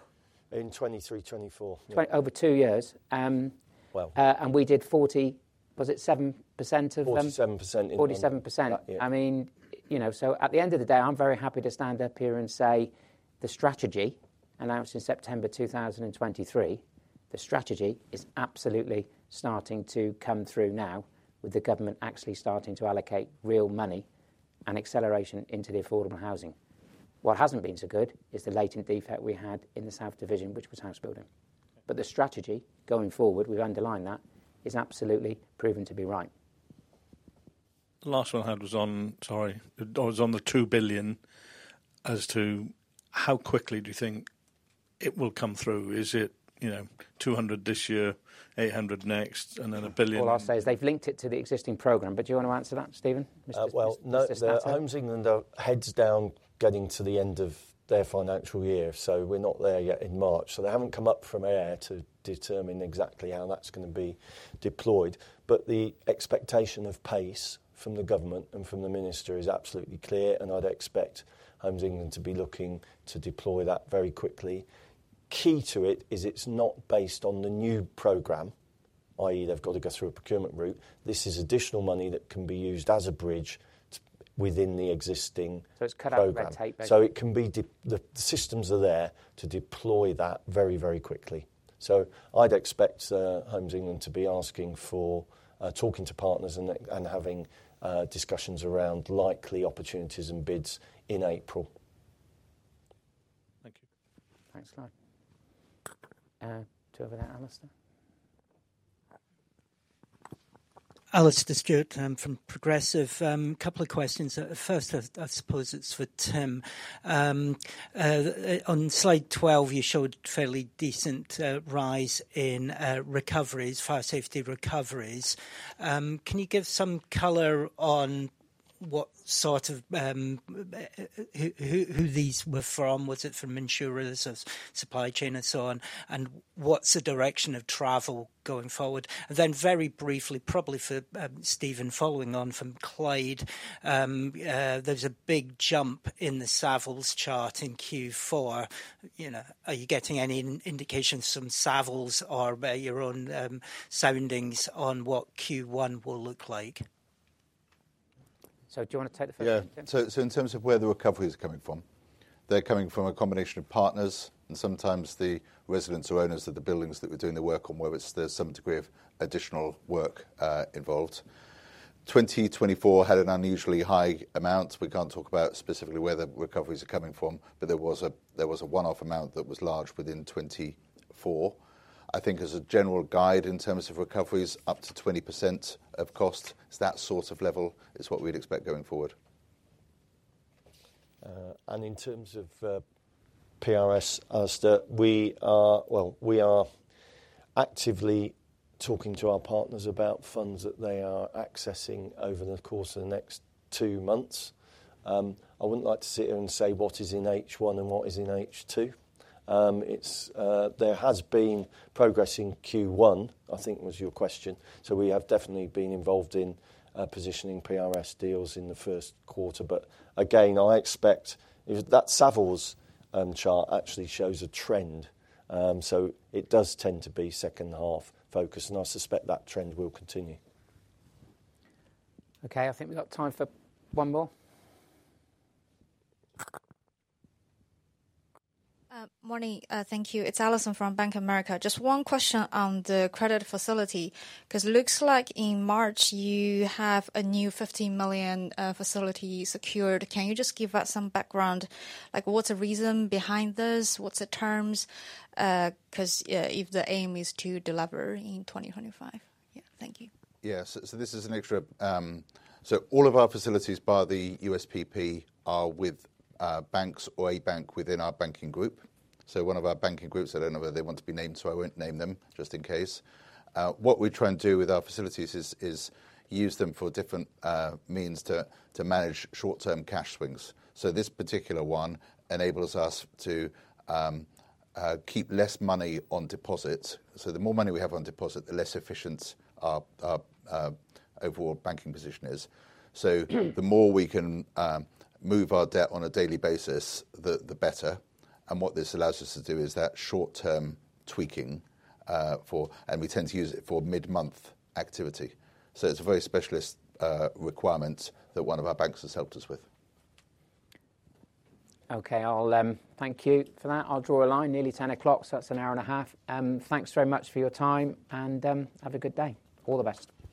[SPEAKER 3] In 2023, 2024.
[SPEAKER 1] Over two years. We did 47% of them,
[SPEAKER 3] 47% in London.
[SPEAKER 1] 47%. I mean, at the end of the day, I'm very happy to stand up here and say the strategy announced in September 2023, the strategy is absolutely starting to come through now with the government actually starting to allocate real money and acceleration into the affordable housing. What has not been so good is the latent defect we had in the South Division, which was housebuilding. The strategy going forward, we have underlined that, is absolutely proven to be right.
[SPEAKER 10] The last one I had was on, sorry, was on the 2 billion as to how quickly do you think it will come through? Is it 200 this year, 800 next, and then a billion?
[SPEAKER 1] I will say they have linked it to the existing program. Do you want to answer that, Stephen?
[SPEAKER 3] No, that is Homes England are heads down getting to the end of their financial year. We are not there yet in March. They have not come up from air to determine exactly how that is going to be deployed. The expectation of pace from the government and from the minister is absolutely clear. I'd expect Homes England to be looking to deploy that very quickly. Key to it is it's not based on the new program, i.e., they've got to go through a procurement route. This is additional money that can be used as a bridge within the existing program. It's cut out by tape, so the systems are there to deploy that very, very quickly. I'd expect Homes England to be asking for, talking to partners and having discussions around likely opportunities and bids in April.
[SPEAKER 10] Thank you.
[SPEAKER 3] Thanks, Clyde.
[SPEAKER 1] Two over there, Alastair.
[SPEAKER 11] Alastair Stewart from Progressive. A couple of questions. First, I suppose it's for Tim. On slide 12, you showed fairly decent rise in recoveries, fire safety recoveries. Can you give some color on what sort of who these were from? Was it from insurers or supply chain and so on? What's the direction of travel going forward? Very briefly, probably for Stephen following on from Clyde, there's a big jump in the Savills chart in Q4. Are you getting any indication, some Savills or your own soundings on what Q1 will look like?
[SPEAKER 1] Do you want to take the first one?
[SPEAKER 2] Yeah. In terms of where the recovery is coming from, they're coming from a combination of partners and sometimes the residents or owners of the buildings that we're doing the work on, where there's some degree of additional work involved. 2024 had an unusually high amount. We can't talk about specifically where the recoveries are coming from, but there was a one-off amount that was large within 2024. I think as a general guide in terms of recoveries, up to 20% of cost, that sort of level is what we'd expect going forward.
[SPEAKER 3] In terms of PRS, Alastair, we are actively talking to our partners about funds that they are accessing over the course of the next two months. I would not like to sit here and say what is in H1 and what is in H2. There has been progress in Q1, I think was your question. We have definitely been involved in positioning PRS deals in the first quarter. I expect that Savills chart actually shows a trend. It does tend to be second half focused. I suspect that trend will continue.
[SPEAKER 1] Okay, I think we have time for one more.
[SPEAKER 12] Morning. Thank you. It is Alison from Bank of America. Just one question on the credit facility, because it looks like in March, you have a new 15 million facility secured. Can you just give us some background? What is the reason behind this? What are the terms? Because if the aim is to deliver in 2025. Yeah, thank you.
[SPEAKER 2] Yeah, so this is an extra so all of our facilities by the USPP are with banks or a bank within our banking group. One of our banking groups, I do not know whether they want to be named, so I will not name them just in case. What we are trying to do with our facilities is use them for different means to manage short-term cash swings. This particular one enables us to keep less money on deposits. The more money we have on deposit, the less efficient our overall banking position is. The more we can move our debt on a daily basis, the better. What this allows us to do is that short-term tweaking, and we tend to use it for mid-month activity. It is a very specialist requirement that one of our banks has helped us with.
[SPEAKER 1] Okay, I will thank you for that. I will draw a line, nearly 10:00 A.M., so that is an hour and a half. Thanks very much for your time, and have a good day. All the best.